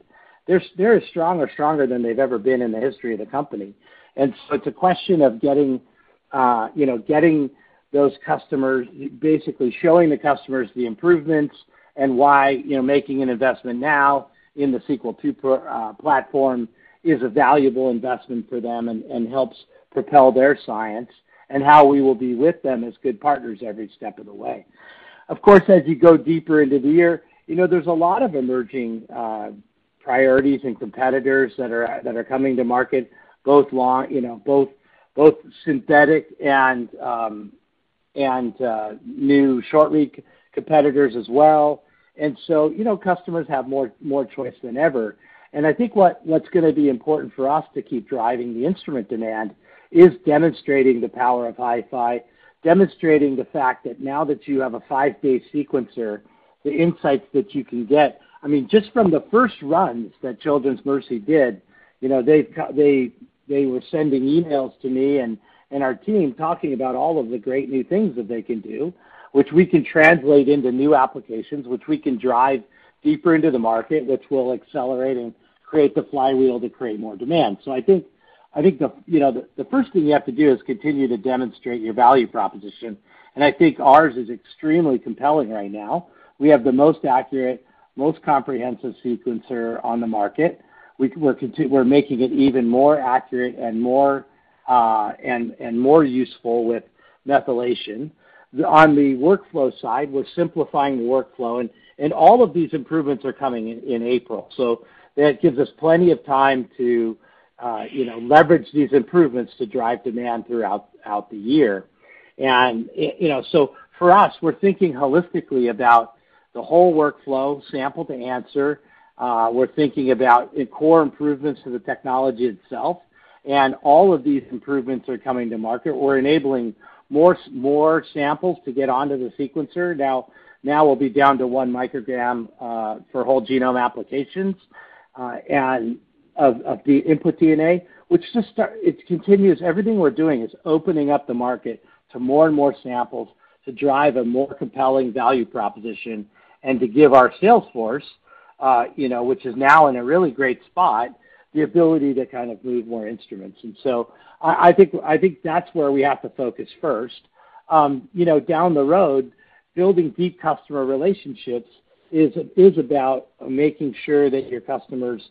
they're as strong or stronger than they've ever been in the history of the company. It's a question of getting those customers, basically showing the customers the improvements and why, you know, making an investment now in the Sequel II platform is a valuable investment for them and helps propel their science and how we will be with them as good partners every step of the way. Of course, as you go deeper into the year, you know, there's a lot of emerging priorities and competitors that are coming to market, both long, you know, both synthetic and new short read competitors as well. You know, customers have more choice than ever. I think what's gonna be important for us to keep driving the instrument demand is demonstrating the power of HiFi, demonstrating the fact that now that you have a five-day sequencer, the insights that you can get. I mean, just from the first runs that Children's Mercy did, you know, they were sending emails to me and our team talking about all of the great new things that they can do, which we can translate into new applications, which we can drive deeper into the market, which will accelerate and create the flywheel to create more demand. I think the first thing you have to do is continue to demonstrate your value proposition, and I think ours is extremely compelling right now. We have the most accurate, most comprehensive sequencer on the market. We're making it even more accurate and more and more useful with methylation. On the workflow side, we're simplifying the workflow and all of these improvements are coming in April. That gives us plenty of time to, you know, leverage these improvements to drive demand throughout the year. You know, for us, we're thinking holistically about the whole workflow, sample to answer. We're thinking about core improvements to the technology itself, and all of these improvements are coming to market. We're enabling more samples to get onto the sequencer. Now we'll be down to 1 microgram for whole genome applications and of the input DNA, which everything we're doing is opening up the market to more and more samples to drive a more compelling value proposition and to give our sales force, you know, which is now in a really great spot, the ability to kind of move more instruments. I think that's where we have to focus first. You know, down the road, building deep customer relationships is about making sure that your customers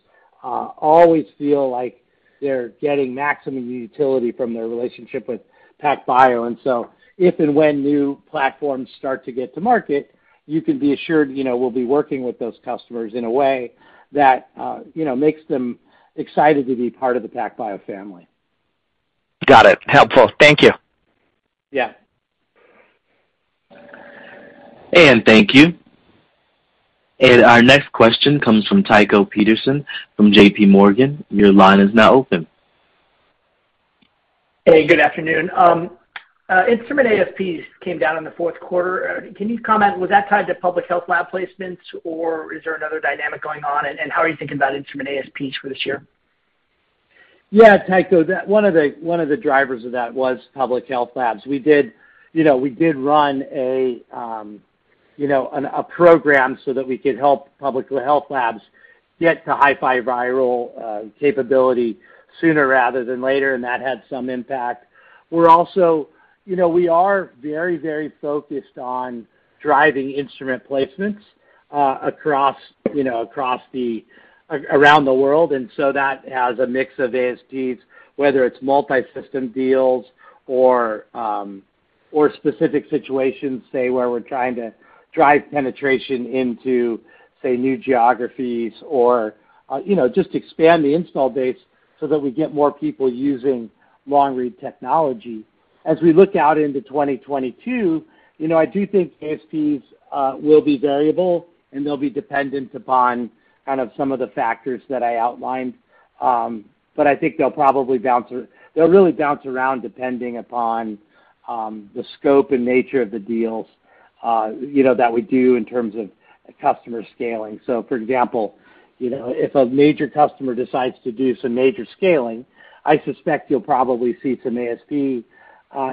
always feel like they're getting maximum utility from their relationship with PacBio. If and when new platforms start to get to market, you can be assured, you know, we'll be working with those customers in a way that, you know, makes them excited to be part of the PacBio family. Got it. Helpful. Thank you. Yeah. Thank you. Our next question comes from Tycho Peterson from J.P. Morgan. Your line is now open. Hey, good afternoon. Instrument ASPs came down in the fourth quarter. Can you comment, was that tied to public health lab placements, or is there another dynamic going on, and how are you thinking about instrument ASPs for this year? Yeah, Tycho, that one of the drivers of that was public health labs. We did run a program so that we could help public health labs get to HiFiViral capability sooner rather than later, and that had some impact. We're also very, very focused on driving instrument placements across around the world, and so that has a mix of ASPs, whether it's multi-system deals or specific situations, say, where we're trying to drive penetration into, say, new geographies or just expand the install base so that we get more people using long-read technology. As we look out into 2022, you know, I do think ASPs will be variable, and they'll be dependent upon kind of some of the factors that I outlined. I think they'll probably really bounce around depending upon the scope and nature of the deals, you know, that we do in terms of customer scaling. For example, you know, if a major customer decides to do some major scaling, I suspect you'll probably see some ASP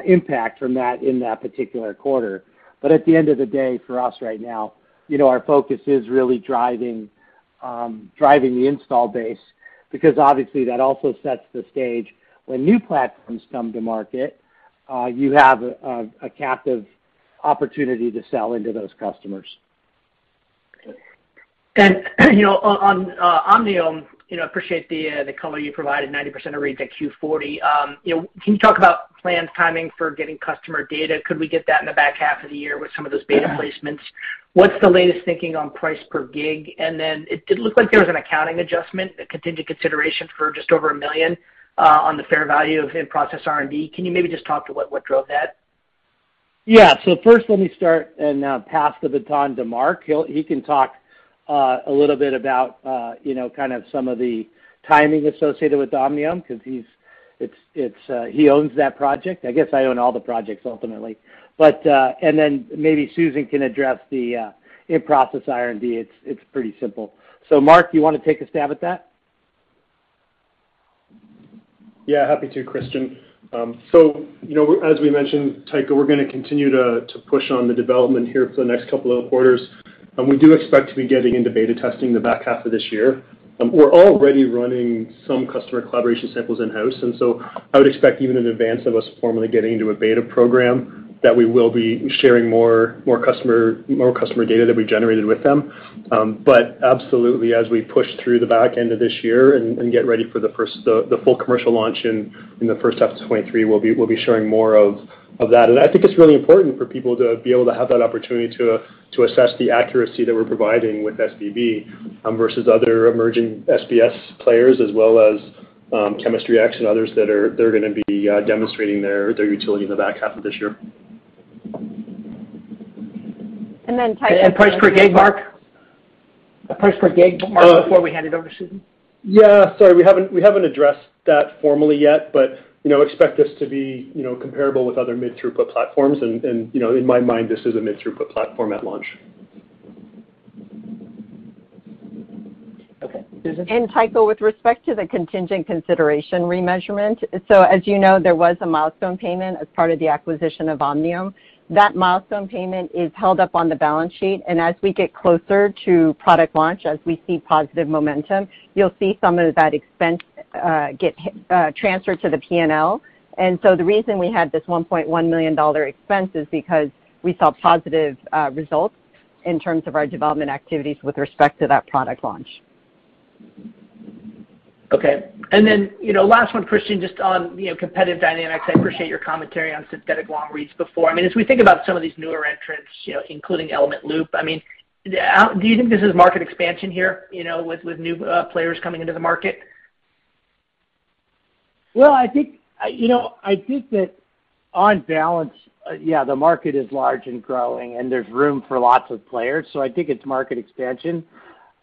impact from that in that particular quarter. At the end of the day, for us right now, you know, our focus is really driving the install base because obviously that also sets the stage when new platforms come to market, you have a captive opportunity to sell into those customers. You know, on Omniome, you know, appreciate the color you provided, 90% of reads at Q40. You know, can you talk about plans timing for getting customer data? Could we get that in the back half of the year with some of those beta placements? What's the latest thinking on price per gig? And then it did look like there was an accounting adjustment, a contingent consideration for just over $1 million on the fair value of in-process R&D. Can you maybe just talk to what drove that? First, let me start and pass the baton to Mark. He can talk a little bit about you know kind of some of the timing associated with Omniome because he owns that project. I guess I own all the projects ultimately. Maybe Susan can address the in-process R&D. It's pretty simple. Mark, you wanna take a stab at that? Yeah, happy to, Christian. So, you know, as we mentioned, Tycho, we're gonna continue to push on the development here for the next couple of quarters. We do expect to be getting into beta testing in the back half of this year. We're already running some customer collaboration samples in-house, and so I would expect even in advance of us formally getting into a beta program that we will be sharing more customer data that we generated with them. Absolutely, as we push through the back end of this year and get ready for the full commercial launch in the first half of 2023, we'll be sharing more of that. I think it's really important for people to be able to have that opportunity to assess the accuracy that we're providing with SNV versus other emerging SBS players as well as chemistry X and others that are gonna be demonstrating their utility in the back half of this year. Price per gig, Mark? The price per gig, Mark, before we hand it over to Susan. Yeah, sorry, we haven't addressed that formally yet, but you know, expect this to be, you know, comparable with other mid-throughput platforms and you know, in my mind, this is a mid-throughput platform at launch. Okay. Susan? Tycho, with respect to the contingent consideration remeasurement, so as you know, there was a milestone payment as part of the acquisition of Omniome. That milestone payment is held up on the balance sheet, and as we get closer to product launch, as we see positive momentum, you'll see some of that expense get transferred to the P&L. The reason we had this $1.1 million expense is because we saw positive results in terms of our development activities with respect to that product launch. Okay. You know, last one, Christian, just on, you know, competitive dynamics. I appreciate your commentary on synthetic long reads before. I mean, as we think about some of these newer entrants, you know, including Element Biosciences, I mean, do you think this is market expansion here, you know, with new players coming into the market? Well, I think, you know, I think that on balance, yeah, the market is large and growing, and there's room for lots of players, so I think it's market expansion.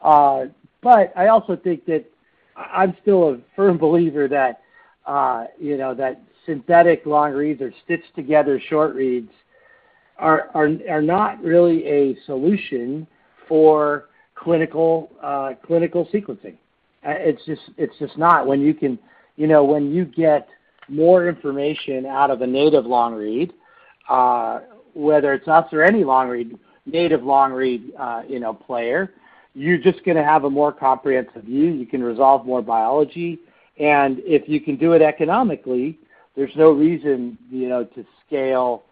But I also think that I'm still a firm believer that, you know, that synthetic long reads or stitched together short reads are not really a solution for clinical sequencing. It's just not. When you get more information out of a native long read, whether it's us or any long read, native long read, you know, player, you're just gonna have a more comprehensive view. You can resolve more biology. If you can do it economically, there's no reason, you know, to scale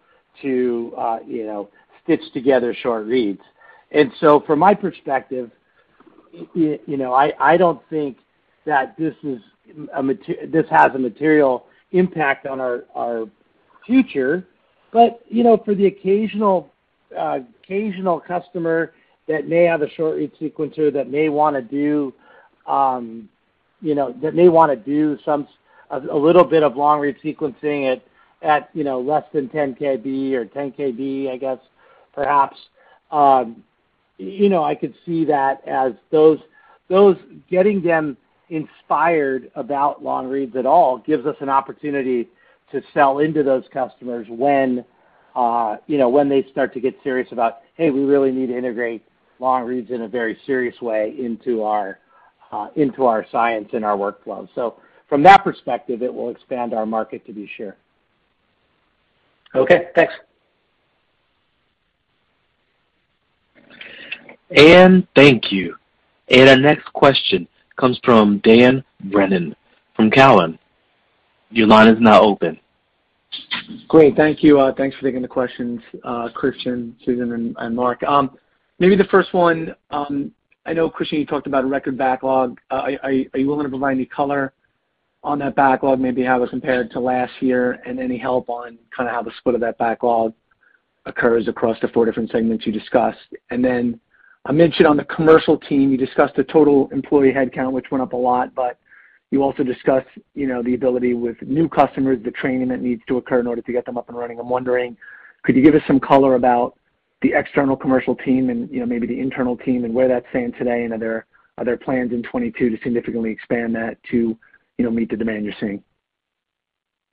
to, you know, stitch together short reads. From my perspective, you know, I don't think that this has a material impact on our future. You know, for the occasional customer that may have a short read sequencer that may wanna do a little bit of long read sequencing at, you know, less than 10 KB or 10 KB, I guess, perhaps, I could see that as those getting them inspired about long reads at all gives us an opportunity to sell into those customers when, you know, when they start to get serious about, "Hey, we really need to integrate long reads in a very serious way into our science and our workflow." From that perspective, it will expand our market to be sure. Okay, thanks. Thank you. Our next question comes from Dan Brennan from Cowen. Your line is now open. Great. Thank you. Thanks for taking the questions, Christian, Susan, and Mark. Maybe the first one, I know, Christian, you talked about a record backlog. Are you willing to provide any color On that backlog, maybe how it was compared to last year, and any help on kind of how the split of that backlog occurs across the four different segments you discussed. Then I mentioned on the commercial team, you discussed the total employee headcount, which went up a lot, but you also discussed, you know, the ability with new customers, the training that needs to occur in order to get them up and running. I'm wondering, could you give us some color about the external commercial team and, you know, maybe the internal team and where that's staying today, and are there plans in 2022 to significantly expand that to, you know, meet the demand you're seeing?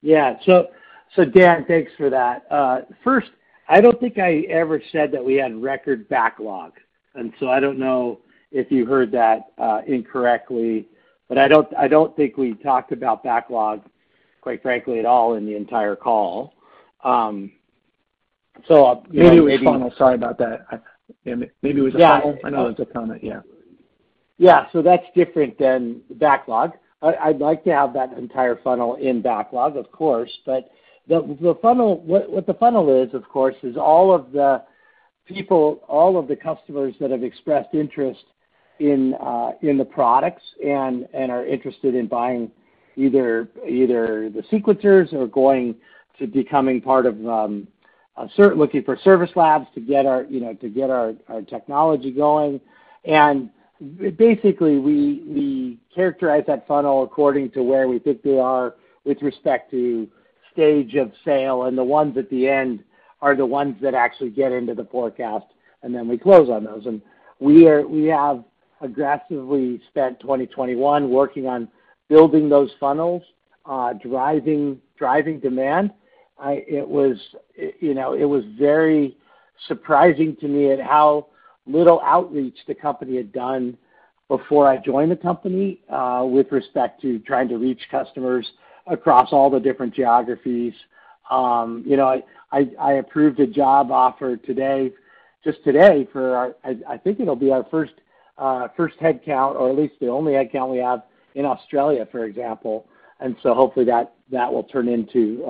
Yeah. Dan, thanks for that. First, I don't think I ever said that we had record backlog, and so I don't know if you heard that, incorrectly. I don't think we talked about backlog, quite frankly, at all in the entire call. You know, maybe- Maybe it was a funnel. Sorry about that. Yeah. I know it was a comment. Yeah. That's different than backlog. I'd like to have that entire funnel in backlog, of course. The funnel, what the funnel is, of course, is all of the people, all of the customers that have expressed interest in the products and are interested in buying either the sequencers or going to becoming part of looking for service labs to get our, you know, to get our technology going. Basically, we characterize that funnel according to where we think they are with respect to stage of sale, and the ones at the end are the ones that actually get into the forecast, and then we close on those. We have aggressively spent 2021 working on building those funnels, driving demand. It was very surprising to me at how little outreach the company had done before I joined the company with respect to trying to reach customers across all the different geographies. You know, I approved a job offer today, just today for our first headcount or at least the only headcount we have in Australia, for example. Hopefully that will turn into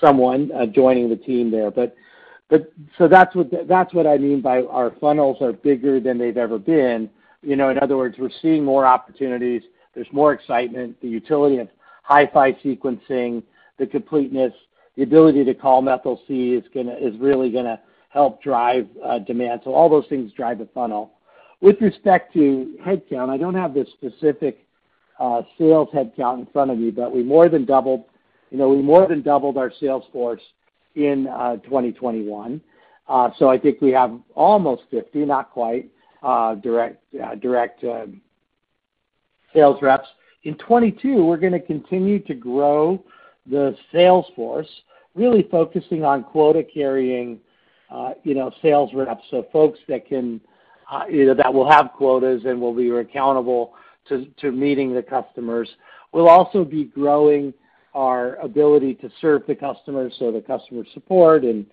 someone joining the team there. So that's what I mean by our funnels are bigger than they've ever been. You know, in other words, we're seeing more opportunities. There's more excitement. The utility of HiFi sequencing, the completeness, the ability to call 5mC is really gonna help drive demand. All those things drive the funnel. With respect to headcount, I don't have the specific sales headcount in front of me, but we more than doubled, you know, our sales force in 2021. I think we have almost 50, not quite, direct sales reps. In 2022, we're gonna continue to grow the sales force, really focusing on quota-carrying, you know, sales reps. Folks that can, you know, that will have quotas and will be accountable to meeting the customers. We'll also be growing our ability to serve the customers, so the customer support and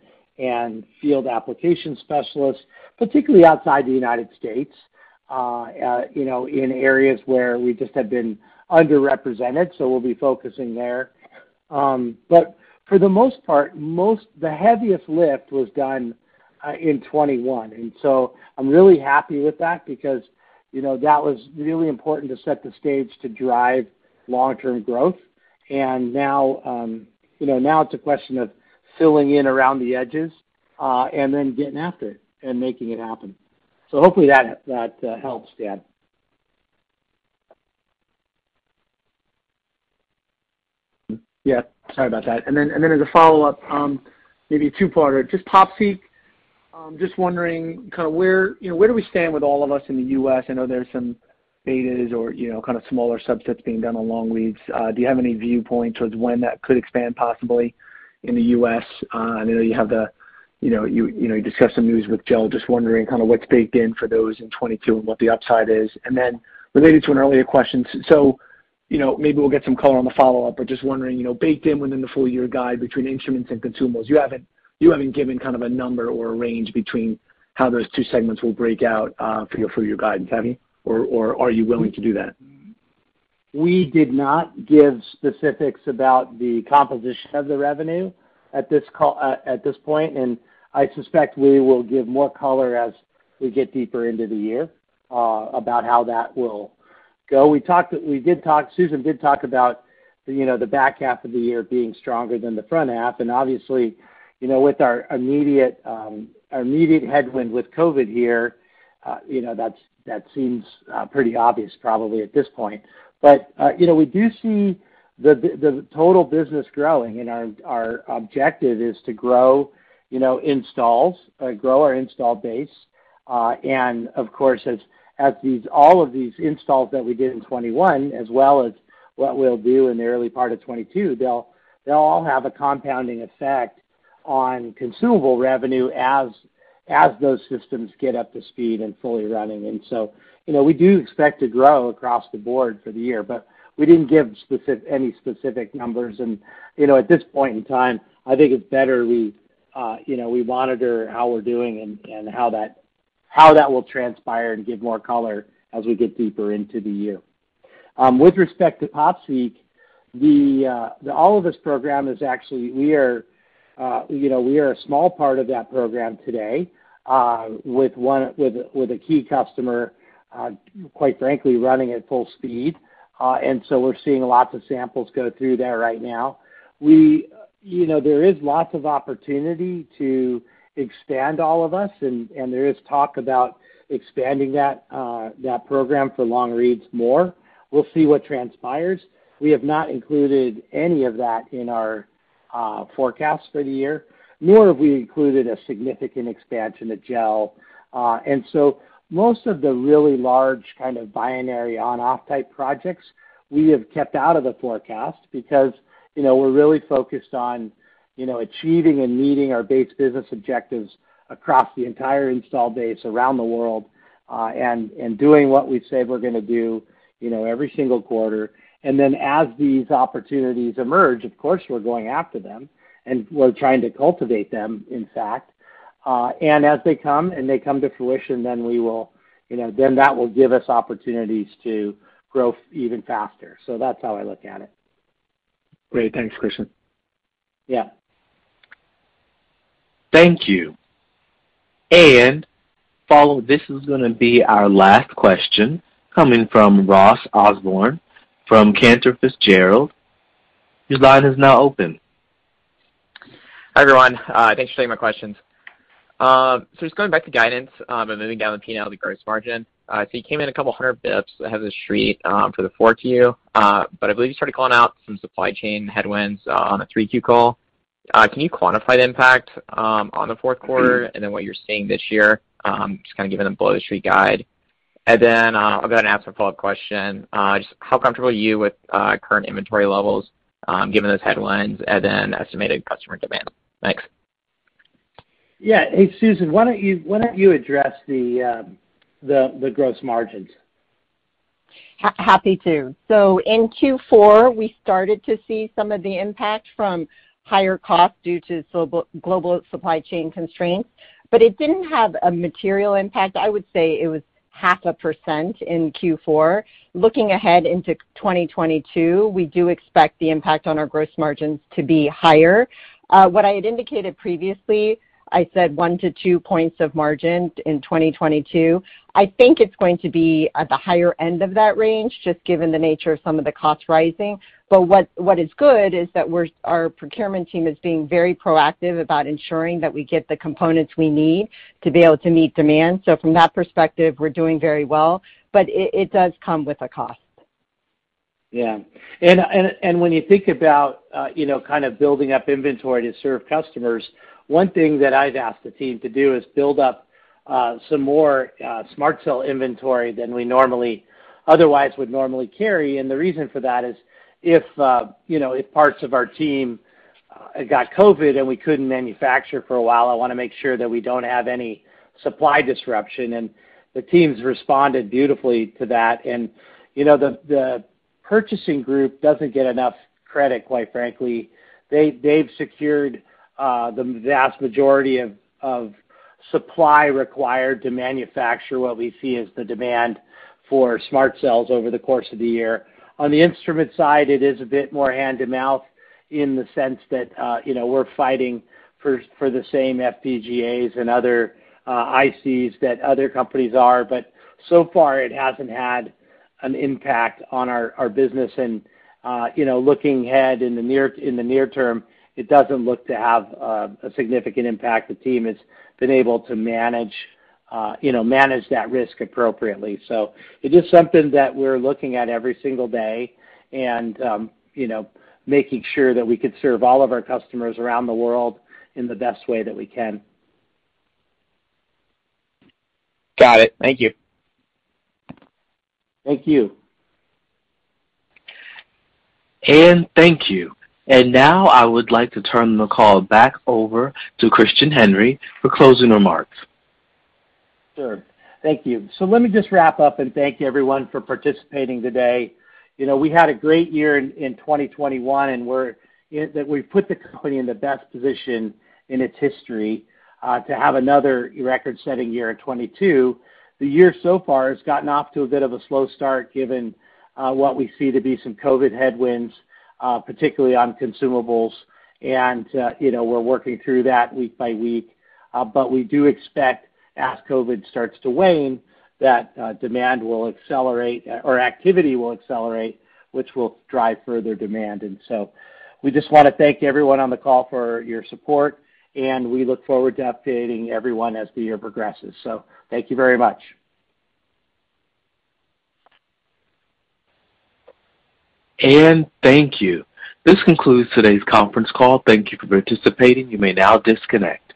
field application specialists, particularly outside the United States, you know, in areas where we just have been underrepresented, we'll be focusing there. For the most part, the heaviest lift was done in 2021. I'm really happy with that because, you know, that was really important to set the stage to drive long-term growth. Now, you know, it's a question of filling in around the edges, and then getting after it and making it happen. Hopefully that helps, Dan. Yeah, sorry about that. As a follow-up, maybe a two-parter. Just PopSeq, just wondering kinda where you know, where do we stand with All of Us in the U.S.? I know there's some betas or, you know, kind of smaller subsets being done along with. Do you have any viewpoint towards when that could expand possibly in the U.S.? I know you have the, you know, you discussed some news with GEL, just wondering kinda what's baked in for those in 2022 and what the upside is. related to an earlier question, so, you know, maybe we'll get some color on the follow-up, but just wondering, you know, baked in within the full year guide between instruments and consumables, you haven't given kind of a number or a range between how those two segments will break out, for your guidance, have you? Or, are you willing to do that? We did not give specifics about the composition of the revenue at this point. I suspect we will give more color as we get deeper into the year about how that will go. Susan did talk about, you know, the back half of the year being stronger than the front half, and obviously, you know, with our immediate headwind with COVID here, you know, that seems pretty obvious probably at this point. You know, we do see the total business growing, and our objective is to grow, you know, installs, grow our install base. Of course, as all of these installs that we did in 2021, as well as what we'll do in the early part of 2022, they'll all have a compounding effect on consumable revenue as those systems get up to speed and fully running. You know, we do expect to grow across the board for the year, but we didn't give any specific numbers. You know, at this point in time, I think it's better, you know, we monitor how we're doing and how that will transpire and give more color as we get deeper into the year. With respect to POPSEQ, the All of Us program is actually, we are a small part of that program today, with a key customer, quite frankly, running at full speed. We're seeing lots of samples go through there right now. You know, there is lots of opportunity to expand All of Us, and there is talk about expanding that program for long reads more. We'll see what transpires. We have not included any of that in our forecast for the year, nor have we included a significant expansion at GEL. Most of the really large kind of binary on-off type projects we have kept out of the forecast because, you know, we're really focused on, you know, achieving and meeting our base business objectives across the entire installed base around the world, and doing what we say we're gonna do, you know, every single quarter. As these opportunities emerge, of course we're going after them, and we're trying to cultivate them, in fact. As they come to fruition, that will give us opportunities to grow even faster. That's how I look at it. Great. Thanks, Christian. Yeah. Thank you. This is gonna be our last question coming from Ross Osborn from Cantor Fitzgerald. Your line is now open. Hi, everyone. Thanks for taking my questions. Just going back to guidance, and moving down the P&L to gross margin. You came in a couple hundred basis points ahead of the street, for the Q4. I believe you started calling out some supply chain headwinds, on the Q3 call. Can you quantify the impact, on the fourth quarter and then what you're seeing this year, just kind of given below the street guide? I've got to ask a follow-up question. Just how comfortable are you with current inventory levels, given those headwinds and then estimated customer demand? Thanks. Yeah. Hey, Susan, why don't you address the gross margins? Happy to. In Q4, we started to see some of the impact from higher costs due to global supply chain constraints, but it didn't have a material impact. I would say it was 0.5% in Q4. Looking ahead into 2022, we do expect the impact on our gross margins to be higher. What I had indicated previously, I said one to two points of margin in 2022. I think it's going to be at the higher end of that range, just given the nature of some of the costs rising. What is good is that our procurement team is being very proactive about ensuring that we get the components we need to be able to meet demand. From that perspective, we're doing very well. It does come with a cost. When you think about, you know, kind of building up inventory to serve customers, one thing that I've asked the team to do is build up some more SMRT Cell inventory than we normally carry. The reason for that is if parts of our team got COVID and we couldn't manufacture for a while, I wanna make sure that we don't have any supply disruption. The team's responded beautifully to that. The purchasing group doesn't get enough credit, quite frankly. They've secured the vast majority of supply required to manufacture what we see as the demand for SMRT Cells over the course of the year. On the instrument side, it is a bit more hand to mouth in the sense that, you know, we're fighting for the same FPGAs and other ICs that other companies are, but so far it hasn't had an impact on our business. Looking ahead in the near term, you know, it doesn't look to have a significant impact. The team has been able to manage, you know, that risk appropriately. It is something that we're looking at every single day and, you know, making sure that we can serve all of our customers around the world in the best way that we can. Got it. Thank you. Thank you. Thank you. Now, I would like to turn the call back over to Christian Henry for closing remarks. Sure. Thank you. Let me just wrap up and thank everyone for participating today. You know, we had a great year in 2021, and that we've put the company in the best position in its history to have another record-setting year in 2022. The year so far has gotten off to a bit of a slow start given what we see to be some COVID headwinds, particularly on consumables. You know, we're working through that week by week. We do expect as COVID starts to wane, that demand will accelerate or activity will accelerate, which will drive further demand. We just wanna thank everyone on the call for your support, and we look forward to updating everyone as the year progresses. Thank you very much. Thank you. This concludes today's conference call. Thank you for participating. You may now disconnect.